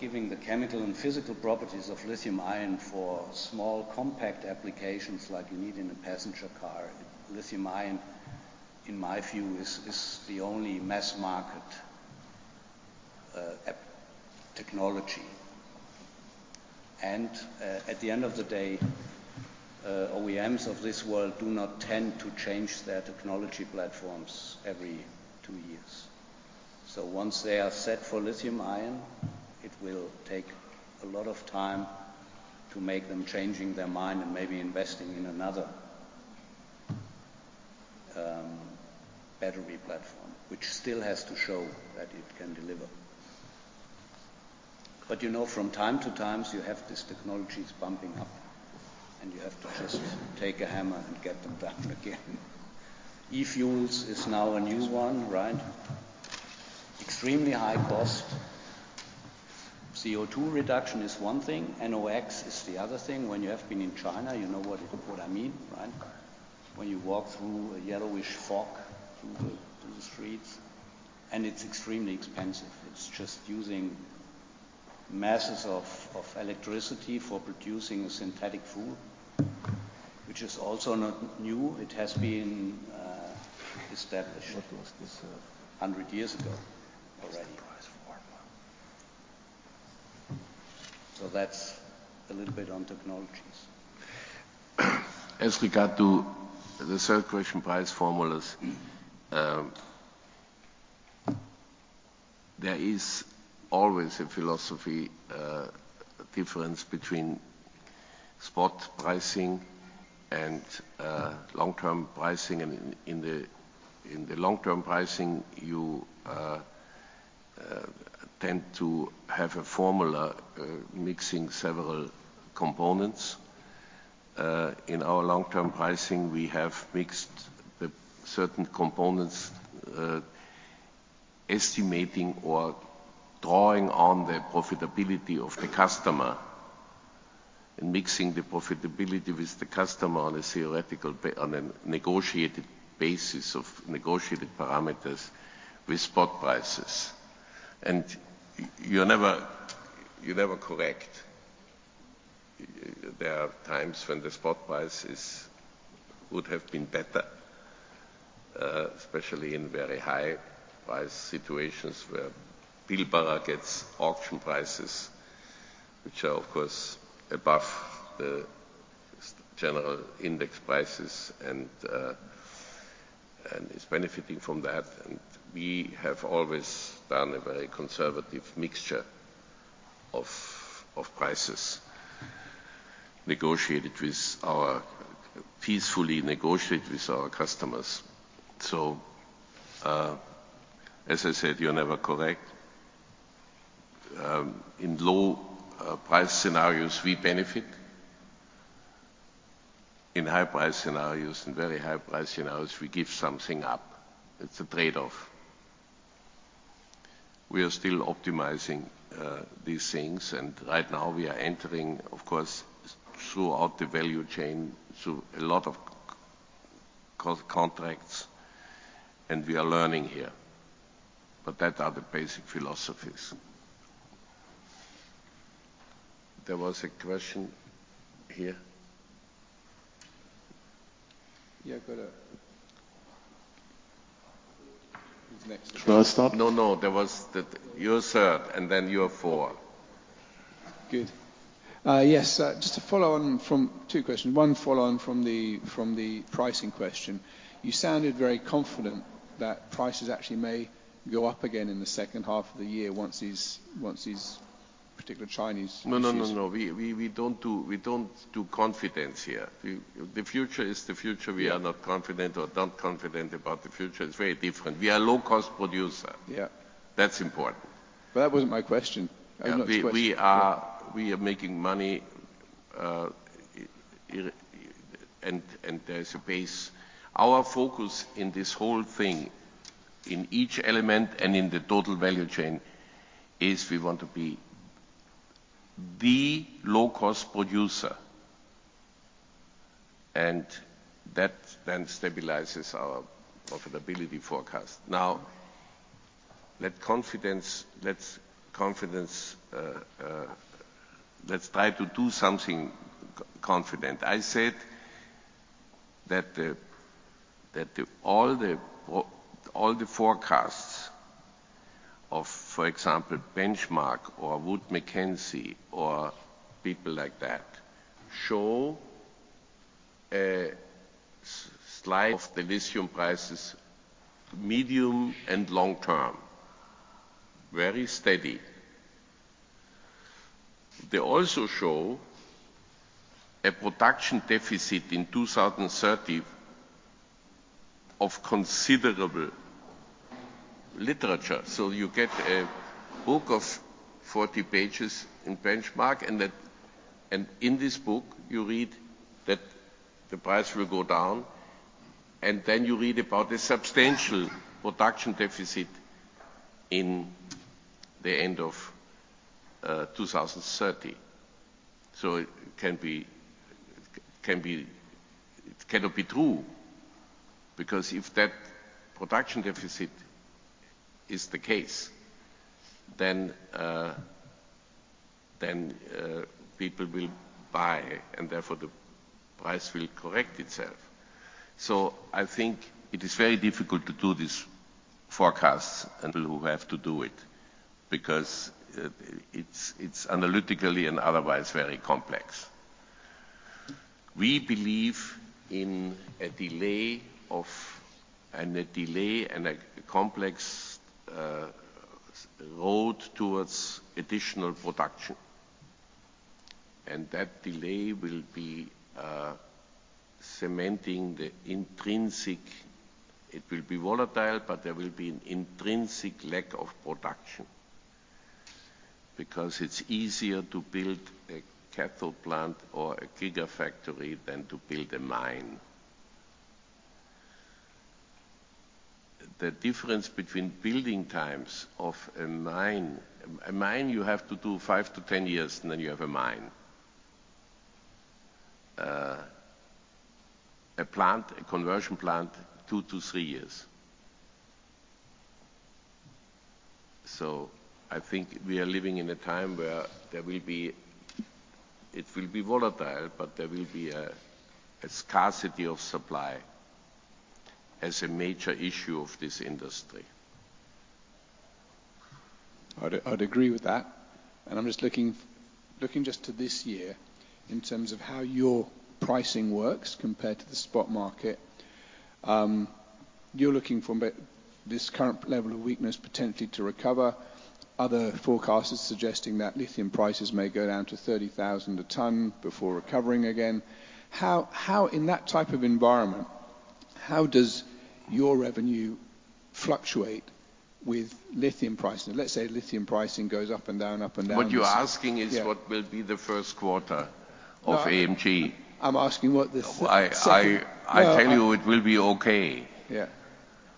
Speaker 4: giving the chemical and physical properties of lithium-ion for small compact applications like you need in a passenger car, lithium-ion, in my view, is the only mass market technology. At the end of the day, OEMs of this world do not tend to change their technology platforms every two years. Once they are set for lithium-ion, it will take a lot of time to make them changing their mind and maybe investing in another battery platform, which still has to show that it can deliver. You know, from time to times, you have these technologies bumping up, and you have to just take a hammer and get them done again. E-fuels is now a new one, right? Extremely high cost. CO2 reduction is one thing. NOx is the other thing. When you have been in China, you know what I mean, right? When you walk through a yellowish fog through the streets. It's extremely expensive. It's just using masses of electricity for producing a synthetic fuel, which is also not new. It has been established, what was this? 100 years ago already.
Speaker 2: What's the price formula?
Speaker 4: That's a little bit on technologies.
Speaker 2: As regard to the third question, price formulas, there is always a philosophy difference between spot pricing and long-term pricing. In, in the, in the long-term pricing, you tend to have a formula mixing several components. In our long-term pricing, we have mixed the certain components, estimating or drawing on the profitability of the customer and mixing the profitability with the customer on a theoretical on a negotiated basis of negotiated parameters with spot prices. You're never correct. There are times when the spot prices would have been better, especially in very high price situations where Pilbara gets auction prices, which are, of course, above the general index prices and is benefiting from that. We have always done a very conservative mixture of prices negotiated with our... peacefully negotiated with our customers. As I said, you're never correct. In low price scenarios, we benefit. In high price scenarios and very high price scenarios, we give something up. It's a trade-off. We are still optimizing these things, and right now we are entering, of course, throughout the value chain, through a lot of co-contracts, and we are learning here. That are the basic philosophies. There was a question here.
Speaker 4: Yeah, go to Who's next?
Speaker 8: Shall I start?
Speaker 2: No, no, that you're third, and then you're four.
Speaker 8: Good. Yes, just to follow on from two questions. One follow on from the pricing question. You sounded very confident that prices actually may go up again in the second half of the year once these particular Chinese issues-
Speaker 2: No, no, no. We don't do confidence here. The future is the future. We are not confident or not confident about the future. It's very different. We are low-cost producer.
Speaker 8: Yeah.
Speaker 2: That's important.
Speaker 8: That wasn't my question. I know it's.
Speaker 2: We are making money. There's a base. Our focus in this whole thing, in each element and in the total value chain, is we want to be the low-cost producer. That then stabilizes our profitability forecast. Now, let's confidence. Let's try to do something confident. I said that all the forecasts of, for example, Benchmark or Wood Mackenzie or people like that, show a slight of the lithium prices medium and long term, very steady. They also show a production deficit in 2030 of considerable lithium. You get a book of 40 pages in Benchmark, and in this book you read that the price will go down, and then you read about a substantial production deficit in the end of 2030. It cannot be true, because if that production deficit is the case, then people will buy, and therefore the price will correct itself. I think it is very difficult to do these forecasts, and we will have to do it because it's analytically and otherwise very complex. We believe in a delay and a delay and a complex road towards additional production. That delay will be cementing the intrinsic. It will be volatile, but there will be an intrinsic lack of production, because it's easier to build a cathode plant or a gigafactory than to build a mine. The difference between building times of a mine. A mine you have to do five-10 years, and then you have a mine. A plant, a conversion plant, two-three years. I think we are living in a time. It will be volatile, but there will be a scarcity of supply as a major issue of this industry.
Speaker 8: I'd agree with that. I'm just looking just to this year in terms of how your pricing works compared to the spot market. You're looking from a bit this current level of weakness potentially to recover. Other forecasters suggesting that lithium prices may go down to $30,000 a ton before recovering again. How in that type of environment, how does your revenue fluctuate with lithium pricing? Let's say lithium pricing goes up and down.
Speaker 2: What you're asking.
Speaker 8: Yeah.
Speaker 2: is what will be the first quarter of AMG.
Speaker 8: I'm asking what the second-
Speaker 2: I, I-
Speaker 8: No.
Speaker 2: I tell you it will be okay.
Speaker 8: Yeah.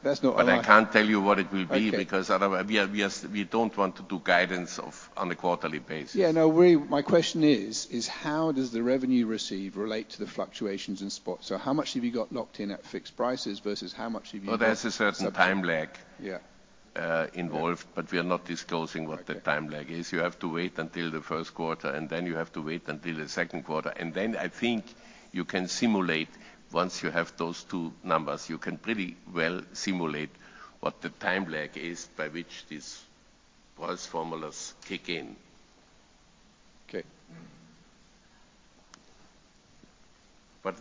Speaker 8: That's not what I-
Speaker 2: I can't tell you what it will be.
Speaker 8: Okay.
Speaker 2: We don't want to do guidance of on a quarterly basis.
Speaker 8: My question is how does the revenue received relate to the fluctuations in spot? How much have you got locked in at fixed prices versus how much have you got-
Speaker 2: Well, there's a certain time lag.
Speaker 8: Yeah.
Speaker 2: involved, but we are not disclosing what the time lag is. You have to wait until the first quarter, and then you have to wait until the second quarter. I think you can simulate. Once you have those two numbers, you can pretty well simulate what the time lag is by which these price formulas kick in.
Speaker 8: Okay.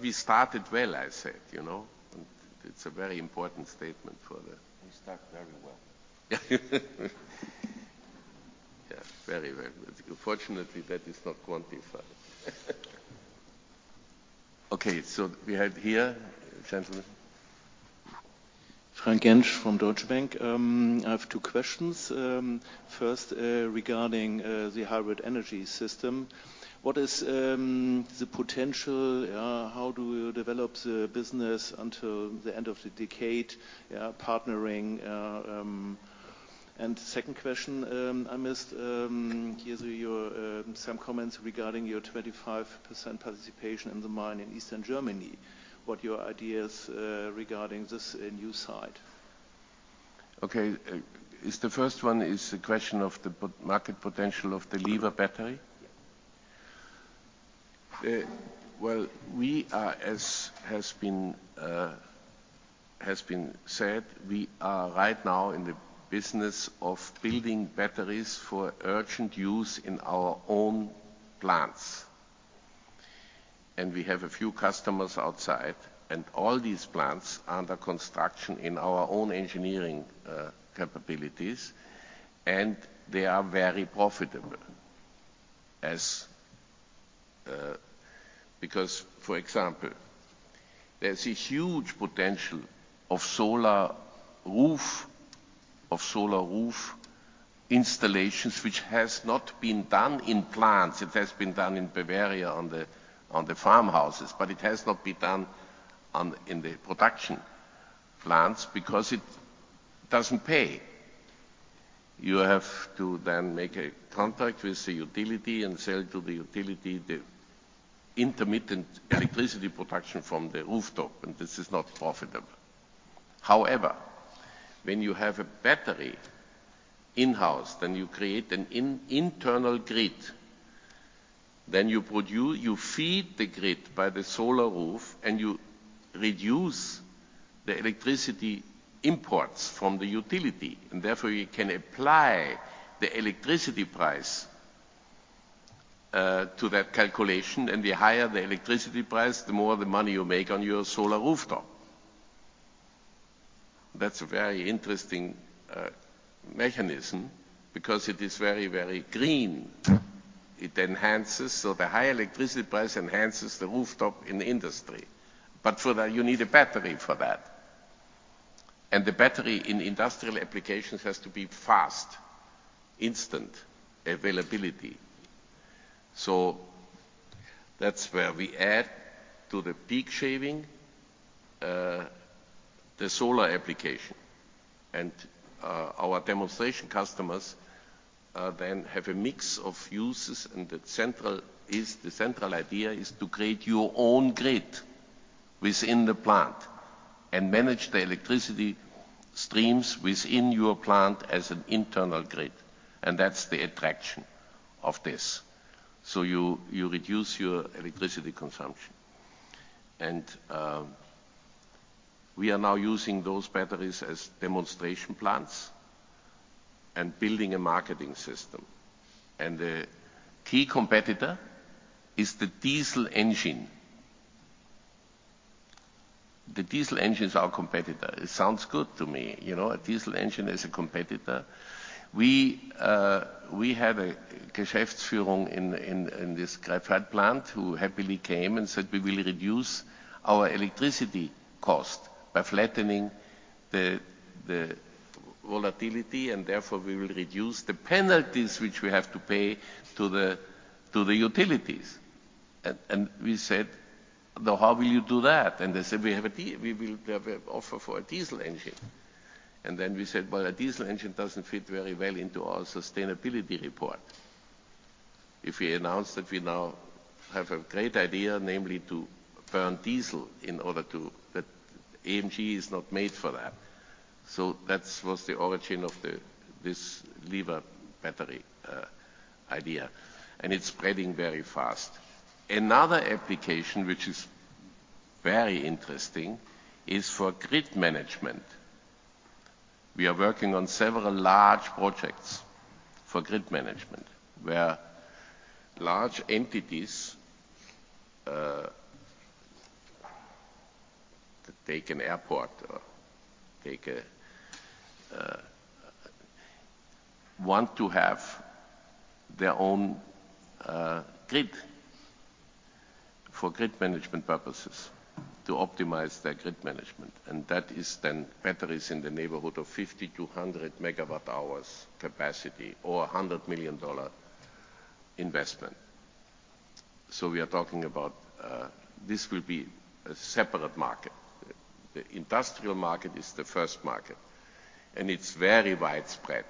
Speaker 2: We started well, I said, you know. It's a very important statement for the.
Speaker 7: We start very well.
Speaker 2: Yeah. Very, very good. Fortunately, that is not quantified. Okay, we have here a gentleman.
Speaker 9: Frank Gengs from Deutsche Bank. I have two questions. First, regarding the hybrid energy system. What is the potential? How do you develop the business until the end of the decade, partnering? Second question, I missed some comments regarding your 25% participation in the mine in Eastern Germany. What your ideas regarding this new site?
Speaker 2: Okay. The first one is the question of the pot-market potential of the LIVA battery?
Speaker 9: Yeah.
Speaker 2: Well, we are, as has been said, we are right now in the business of building batteries for urgent use in our own plants. We have a few customers outside, and all these plants are under construction in our own engineering capabilities, and they are very profitable. For example, there's a huge potential of solar roof installations which has not been done in plants. It has been done in Bavaria on the farmhouses, but it has not been done in the production plants because it doesn't pay. You have to then make a contract with the utility and sell to the utility the intermittent electricity production from the rooftop, and this is not profitable. However, when you have a battery in-house, then you create an internal grid. You produce... You feed the grid by the solar roof, you reduce the electricity imports from the utility, therefore you can apply the electricity price to that calculation, the higher the electricity price, the more the money you make on your solar rooftop. That's a very interesting mechanism because it is very, very green. It enhances, so the high electricity price enhances the rooftop in the industry. For that, you need a battery for that. The battery in industrial applications has to be fast, instant availability. That's where we add to the peak shaving, the solar application. Our demonstration customers then have a mix of uses, the central idea is to create your own grid within the plant and manage the electricity streams within your plant as an internal grid, that's the attraction of this. You reduce your electricity consumption. We are now using those batteries as demonstration plants and building a marketing system. The key competitor is the diesel engine. The diesel engine is our competitor. It sounds good to me, you know, a diesel engine as a competitor. We have a Geschäftsführer in, in this graphite plant who happily came and said, "We will reduce our electricity cost by flattening the volatility, and therefore, we will reduce the penalties which we have to pay to the, to the utilities." We said, "Now, how will you do that?" They said, "We have an offer for a diesel engine." We said, "Well, a diesel engine doesn't fit very well into our sustainability report." If we announce that we now have a great idea, namely to burn diesel in order to-- but AMG is not made for that. That's was the origin of the, this LIVA battery, idea, and it's spreading very fast. Another application which is very interesting is for grid management. We are working on several large projects for grid management, where large entities, take an airport or take a, want to have their own grid for grid management purposes to optimize their grid management. That is then batteries in the neighborhood of 50-100 MWh capacity or a $100 million investment. We are talking about, this will be a separate market. The industrial market is the first market, and it's very widespread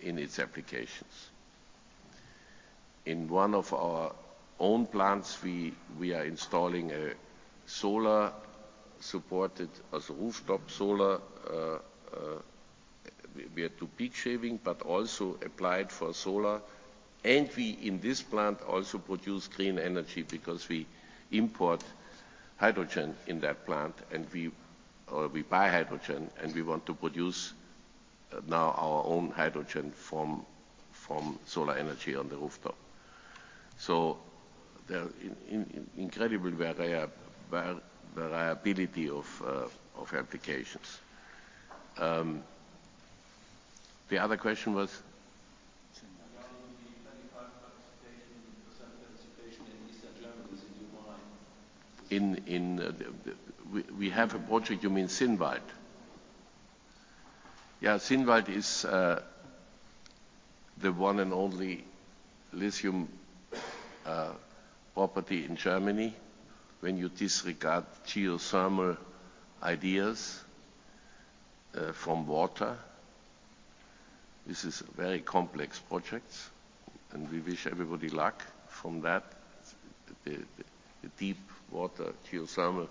Speaker 2: in its applications. In one of our own plants, we are installing a solar-supported, as a rooftop solar, we are do peak shaving, but also applied for solar. We, in this plant, also produce clean energy because we import hydrogen in that plant, and we buy hydrogen, and we want to produce now our own hydrogen from solar energy on the rooftop. There are incredible where they are, variability of applications. The other question was?
Speaker 9: Around the 25 participation, % participation in Eastern Germany, is it your mine?
Speaker 2: We have a project. You mean Zinnwald? Yeah, Zinnwald is the one and only lithium property in Germany when you disregard geothermal ideas from water. This is very complex projects. We wish everybody luck from that. The deep water geothermal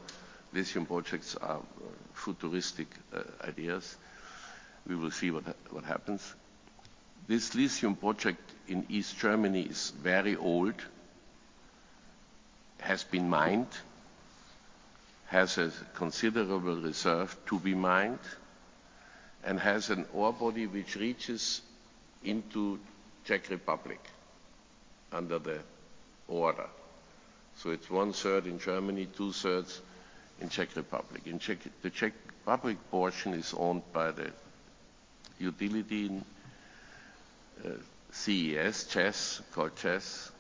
Speaker 2: lithium projects are futuristic ideas. We will see what happens. This lithium project in East Germany is very old, has been mined, has a considerable reserve to be mined, and has an ore body which reaches into Czech Republic under the order. It's one-third in Germany, two-thirds in Czech Republic. The Czech Republic portion is owned by the utility, ČEZ, called ČEZ,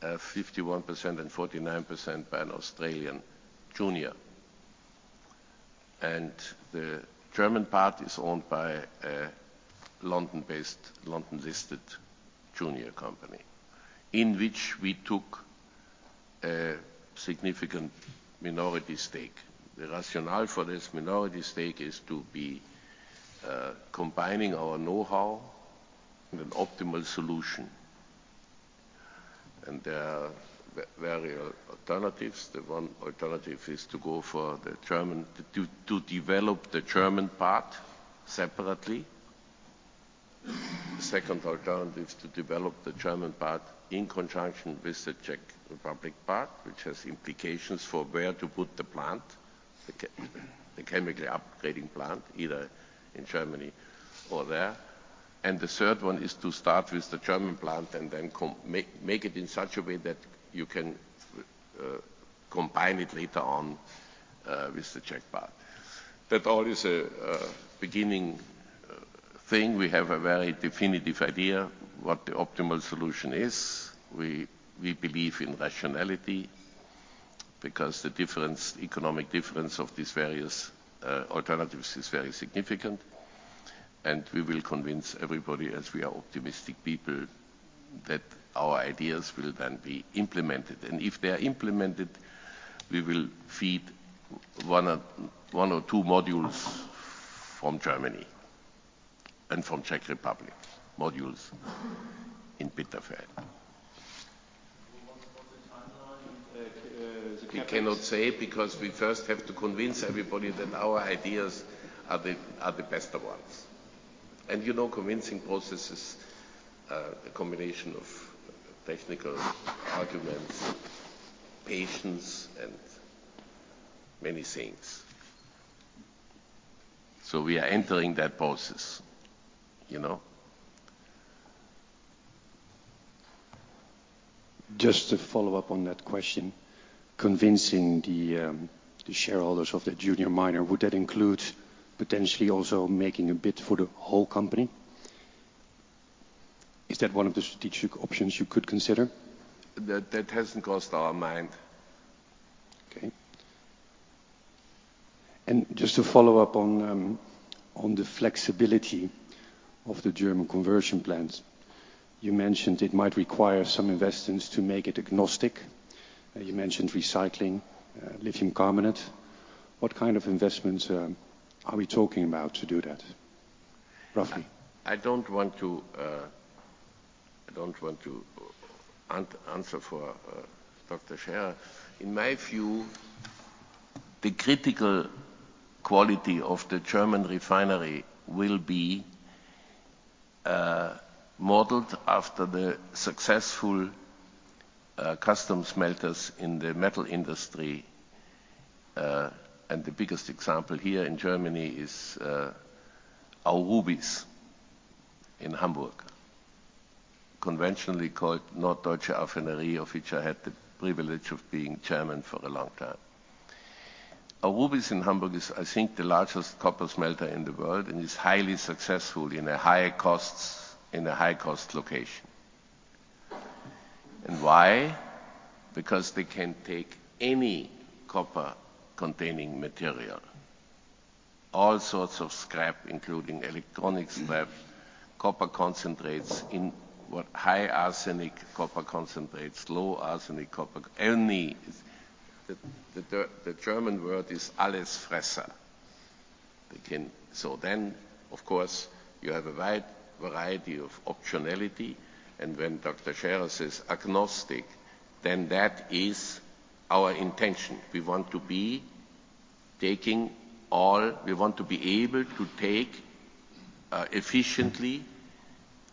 Speaker 2: 51% and 49% by an Australian junior. The German part is owned by a London-based, London-listed junior company, in which we took a significant minority stake. The rationale for this minority stake is to be combining our know-how in an optimal solution. There are various alternatives. The one alternative is to develop the German part separately. The second alternative is to develop the German part in conjunction with the Czech Republic part, which has implications for where to put the plant. The chemically upgrading plant, either in Germany or there. The third one is to start with the German plant and then make it in such a way that you can combine it later on with the Czech plant. That all is a beginning thing. We have a very definitive idea what the optimal solution is. We believe in rationality, because the difference, economic difference of these various alternatives is very significant. We will convince everybody, as we are optimistic people, that our ideas will then be implemented. If they are implemented, we will feed one or two modules from Germany and from Czech Republic, modules in Bitterfeld.
Speaker 9: What's the timeline?
Speaker 2: We cannot say because we first have to convince everybody that our ideas are the, are the best ones. You know, convincing process is a combination of technical arguments, patience, and many things. We are entering that process, you know.
Speaker 5: To follow up on that question, convincing the shareholders of the junior miner, would that include potentially also making a bid for the whole company? Is that one of the strategic options you could consider?
Speaker 2: That hasn't crossed our mind.
Speaker 5: Okay. Just to follow up on the flexibility of the German conversion plants. You mentioned it might require some investments to make it agnostic. You mentioned recycling, lithium carbonate. What kind of investments are we talking about to do that, roughly?
Speaker 2: I don't want to answer for Dr. Scherer. In my view, the critical quality of the German refinery will be modeled after the successful customs melters in the metal industry. The biggest example here in Germany is Aurubis in Hamburg, conventionally called Norddeutsche Affinerie, of which I had the privilege of being chairman for a long time. Aurubis in Hamburg is, I think, the largest copper smelter in the world, and is highly successful in a higher costs, in a high-cost location. Why? Because they can take any copper-containing material, all sorts of scrap, including electronics scrap, copper concentrates in what high arsenic copper concentrates, low arsenic copper, any... The German word is Allesfresser. Of course, you have a wide variety of optionality. When Dr. Scherer says agnostic. That is our intention. We want to be able to take, efficiently,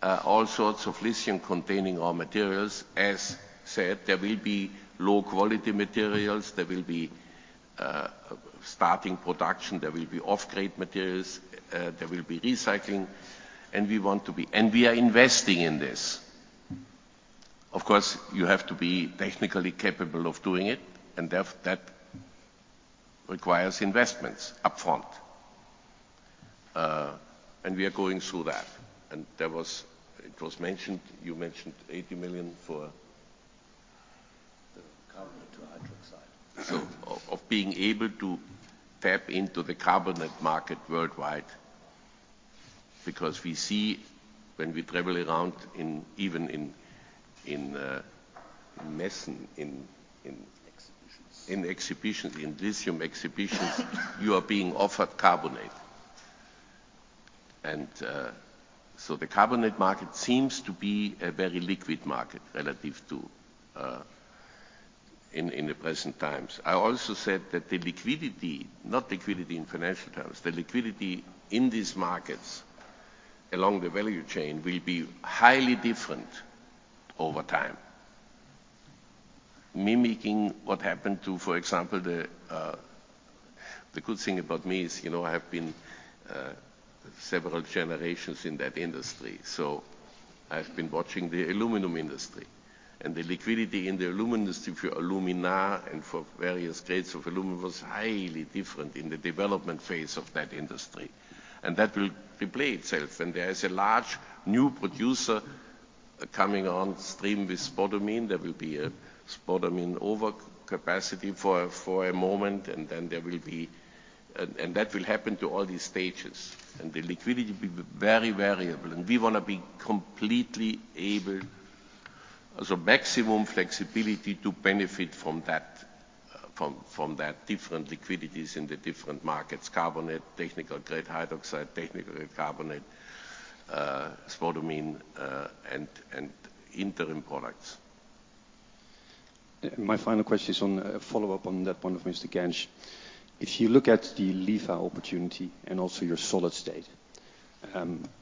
Speaker 2: all sorts of lithium-containing raw materials. As said, there will be low-quality materials, there will be starting production, there will be off-grade materials, there will be recycling. We are investing in this. Of course, you have to be technically capable of doing it, and that requires investments up front. We are going through that. It was mentioned, you mentioned $80 million for-
Speaker 9: The carbonate to hydroxide.
Speaker 2: Of being able to tap into the carbonate market worldwide. We see when we travel around even in Messen.
Speaker 9: Exhibitions.
Speaker 2: In exhibitions, in lithium exhibitions, you are being offered carbonate. The carbonate market seems to be a very liquid market relative to in the present times. I also said that the liquidity, not liquidity in financial terms, the liquidity in these markets along the value chain will be highly different over time. Mimicking what happened to, for example, the. The good thing about me is, you know, I have been several generations in that industry. I've been watching the aluminum industry. The liquidity in the aluminum industry for alumina and for various grades of aluminum was highly different in the development phase of that industry. That will replay itself. There is a large new producer coming on stream with spodumene. There will be a spodumene overcapacity for a moment, and then there will be. That will happen to all these stages. The liquidity will be very variable. We want to be completely able the maximum flexibility to benefit from that different liquidities in the different markets: carbonate, technical-grade hydroxide, technical carbonate, spodumene, and interim products.
Speaker 5: My final question is on a follow-up on that point of Mr. Gensch. If you look at the LIVA opportunity and also your solid-state,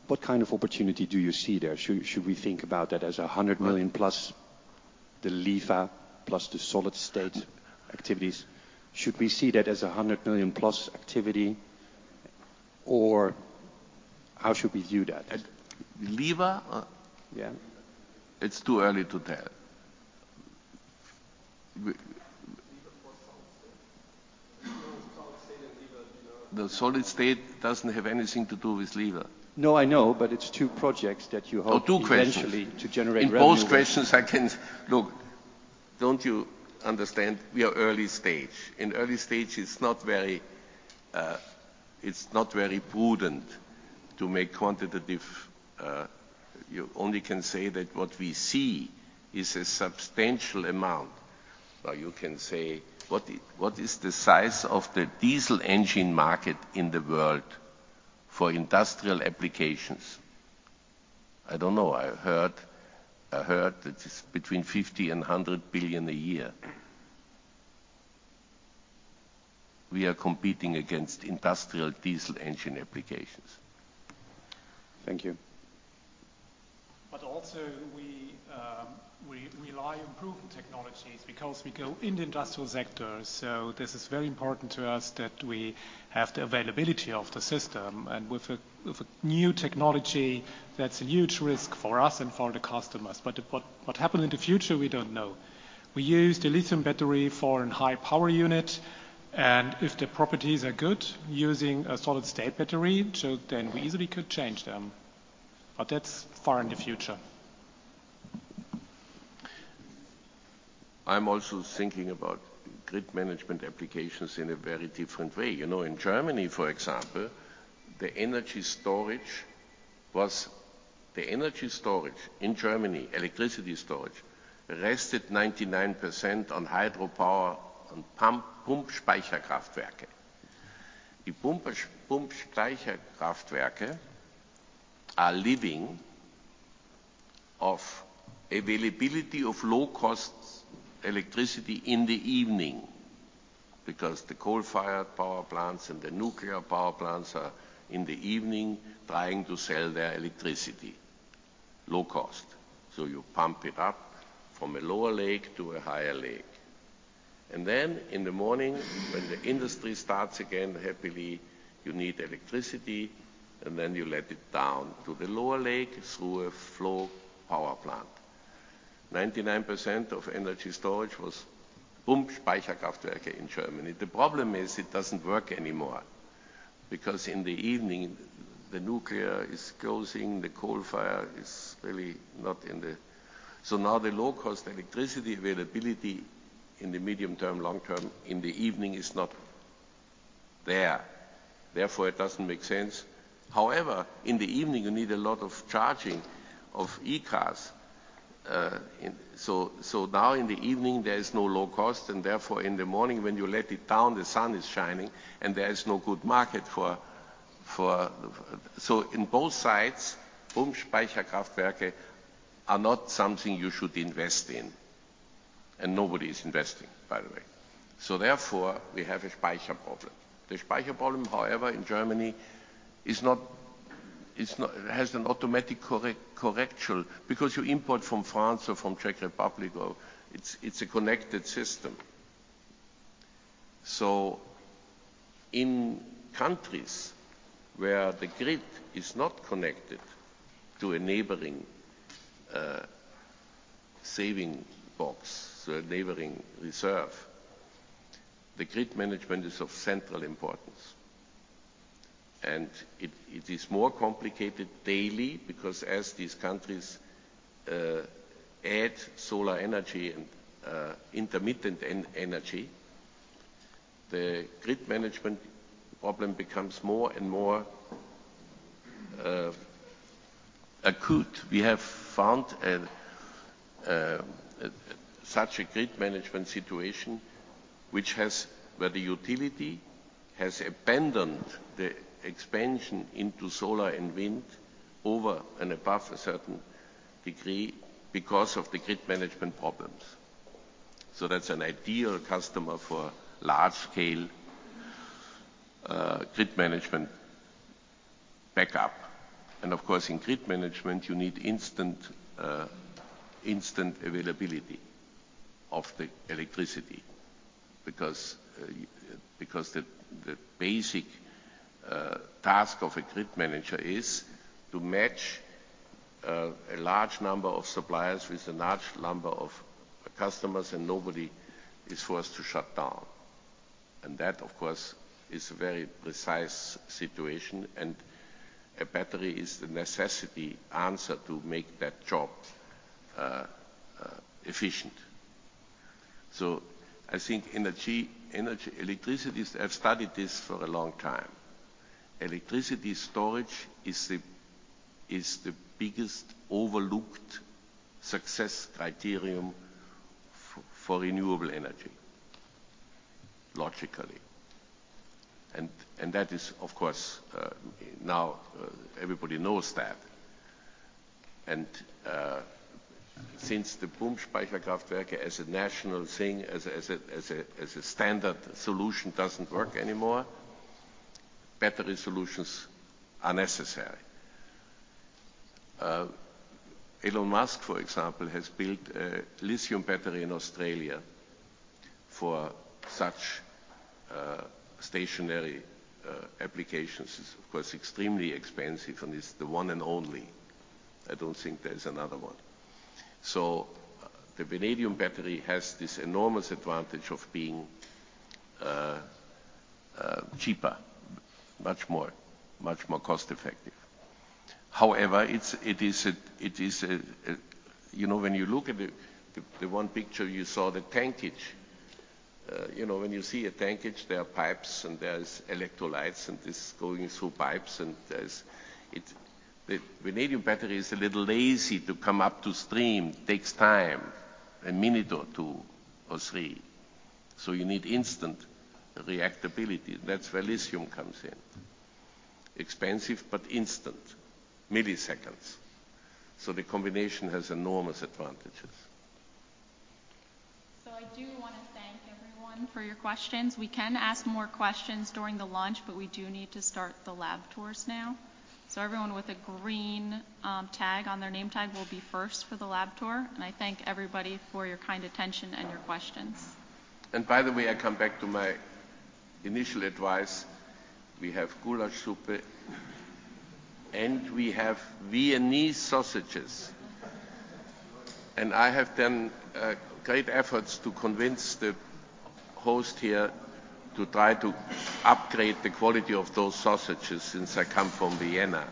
Speaker 5: what kind of opportunity do you see there? Should we think about that as The LIVA plus the solid-state activities, should we see that as a $100 million plus activity, or how should we view that?
Speaker 2: The LIVA?
Speaker 5: Yeah.
Speaker 2: It's too early to tell.
Speaker 4: LIVA for solid state. Solid state and LIVA, you know.
Speaker 2: The solid state doesn't have anything to do with LIVA.
Speaker 5: No, I know, it's two projects that you.
Speaker 2: Oh, two questions.
Speaker 5: eventually to generate revenue with.
Speaker 2: In both questions I can. Look, don't you understand? We are early stage. In early stage, it's not very, it's not very prudent to make quantitative. You only can say that what we see is a substantial amount. Now, you can say, what is the size of the diesel engine market in the world for industrial applications? I don't know. I heard that it's between $50 billion and $100 billion a year. We are competing against industrial diesel engine applications.
Speaker 5: Thank you.
Speaker 4: Also, we rely on proven technologies because we go in the industrial sector, this is very important to us that we have the availability of the system. With a new technology, that's a huge risk for us and for the customers. What happen in the future, we don't know. We use the lithium battery for in high power unit, if the properties are good using a solid-state battery, we easily could change them. That's far in the future.
Speaker 2: I'm also thinking about grid management applications in a very different way. You know, in Germany, for example, the energy storage in Germany, electricity storage, rested 99% on hydropower and Pumpspeicherkraftwerke. The Pumpspeicherkraftwerke are living off availability of low-cost electricity in the evening because the coal-fired power plants and the nuclear power plants are, in the evening, trying to sell their electricity low cost. You pump it up from a lower lake to a higher lake. In the morning, when the industry starts again, happily, you need electricity, and then you let it down to the lower lake through a flow power plant. 99% of energy storage was Pumpspeicherkraftwerke in Germany. The problem is it doesn't work anymore because in the evening the nuclear is closing, the coal fire is really not in the... Now the low-cost electricity availability in the medium term, long term, in the evening is not there. It doesn't make sense. In the evening you need a lot of charging of e-cars. Now in the evening, there is no low cost, and therefore, in the morning, when you let it down, the sun is shining, and there is no good market for. In both sides, Pumpspeicherkraftwerke are not something you should invest in. Nobody is investing, by the way. Therefore, we have a Speicher problem. The Speicher problem, however, in Germany has an automatic correctional because you import from France or from Czech Republic, or it's a connected system. In countries where the grid is not connected to enabling saving box, enabling reserve, the grid management is of central importance. It is more complicated daily because as these countries add solar energy and intermittent energy, the grid management problem becomes more and more acute. We have found such a grid management situation where the utility has abandoned the expansion into solar and wind over and above a certain degree because of the grid management problems. That's an ideal customer for large-scale grid management backup. Of course, in grid management, you need instant availability of the electricity because the basic task of a grid manager is to match a large number of suppliers with a large number of customers, and nobody is forced to shut down. That, of course, is a very precise situation, and a battery is the necessity answer to make that job efficient. I think energy, electricity is. I've studied this for a long time. Electricity storage is the biggest overlooked success criterium for renewable energy, logically. That is, of course, now everybody knows that. Since the Pumpspeicherkraftwerke as a national thing, as a standard solution doesn't work anymore. Battery solutions are necessary. Elon Musk, for example, has built a lithium battery in Australia for such stationary applications. It's, of course, extremely expensive, and it's the one and only. I don't think there's another one. The vanadium battery has this enormous advantage of being cheaper, much more, much more cost-effective. However, it is a, you know, when you look at the one picture, you saw the tankage. You know, when you see a tankage, there are pipes, and there's electrolytes, and it's going through pipes, and there's. The vanadium battery is a little lazy to come up to stream. It takes time, one minute or two or three. You need instant reactability. That's where lithium comes in. Expensive, but instant. Milliseconds. The combination has enormous advantages.
Speaker 1: I do wanna thank everyone for your questions. We can ask more questions during the lunch, but we do need to start the lab tours now. Everyone with a green tag on their name tag will be first for the lab tour, and I thank everybody for your kind attention and your questions.
Speaker 2: By the way, I come back to my initial advice. We have goulash soup, and we have Viennese sausages. I have done great efforts to convince the host here to try to upgrade the quality of those sausages since I come from Vienna.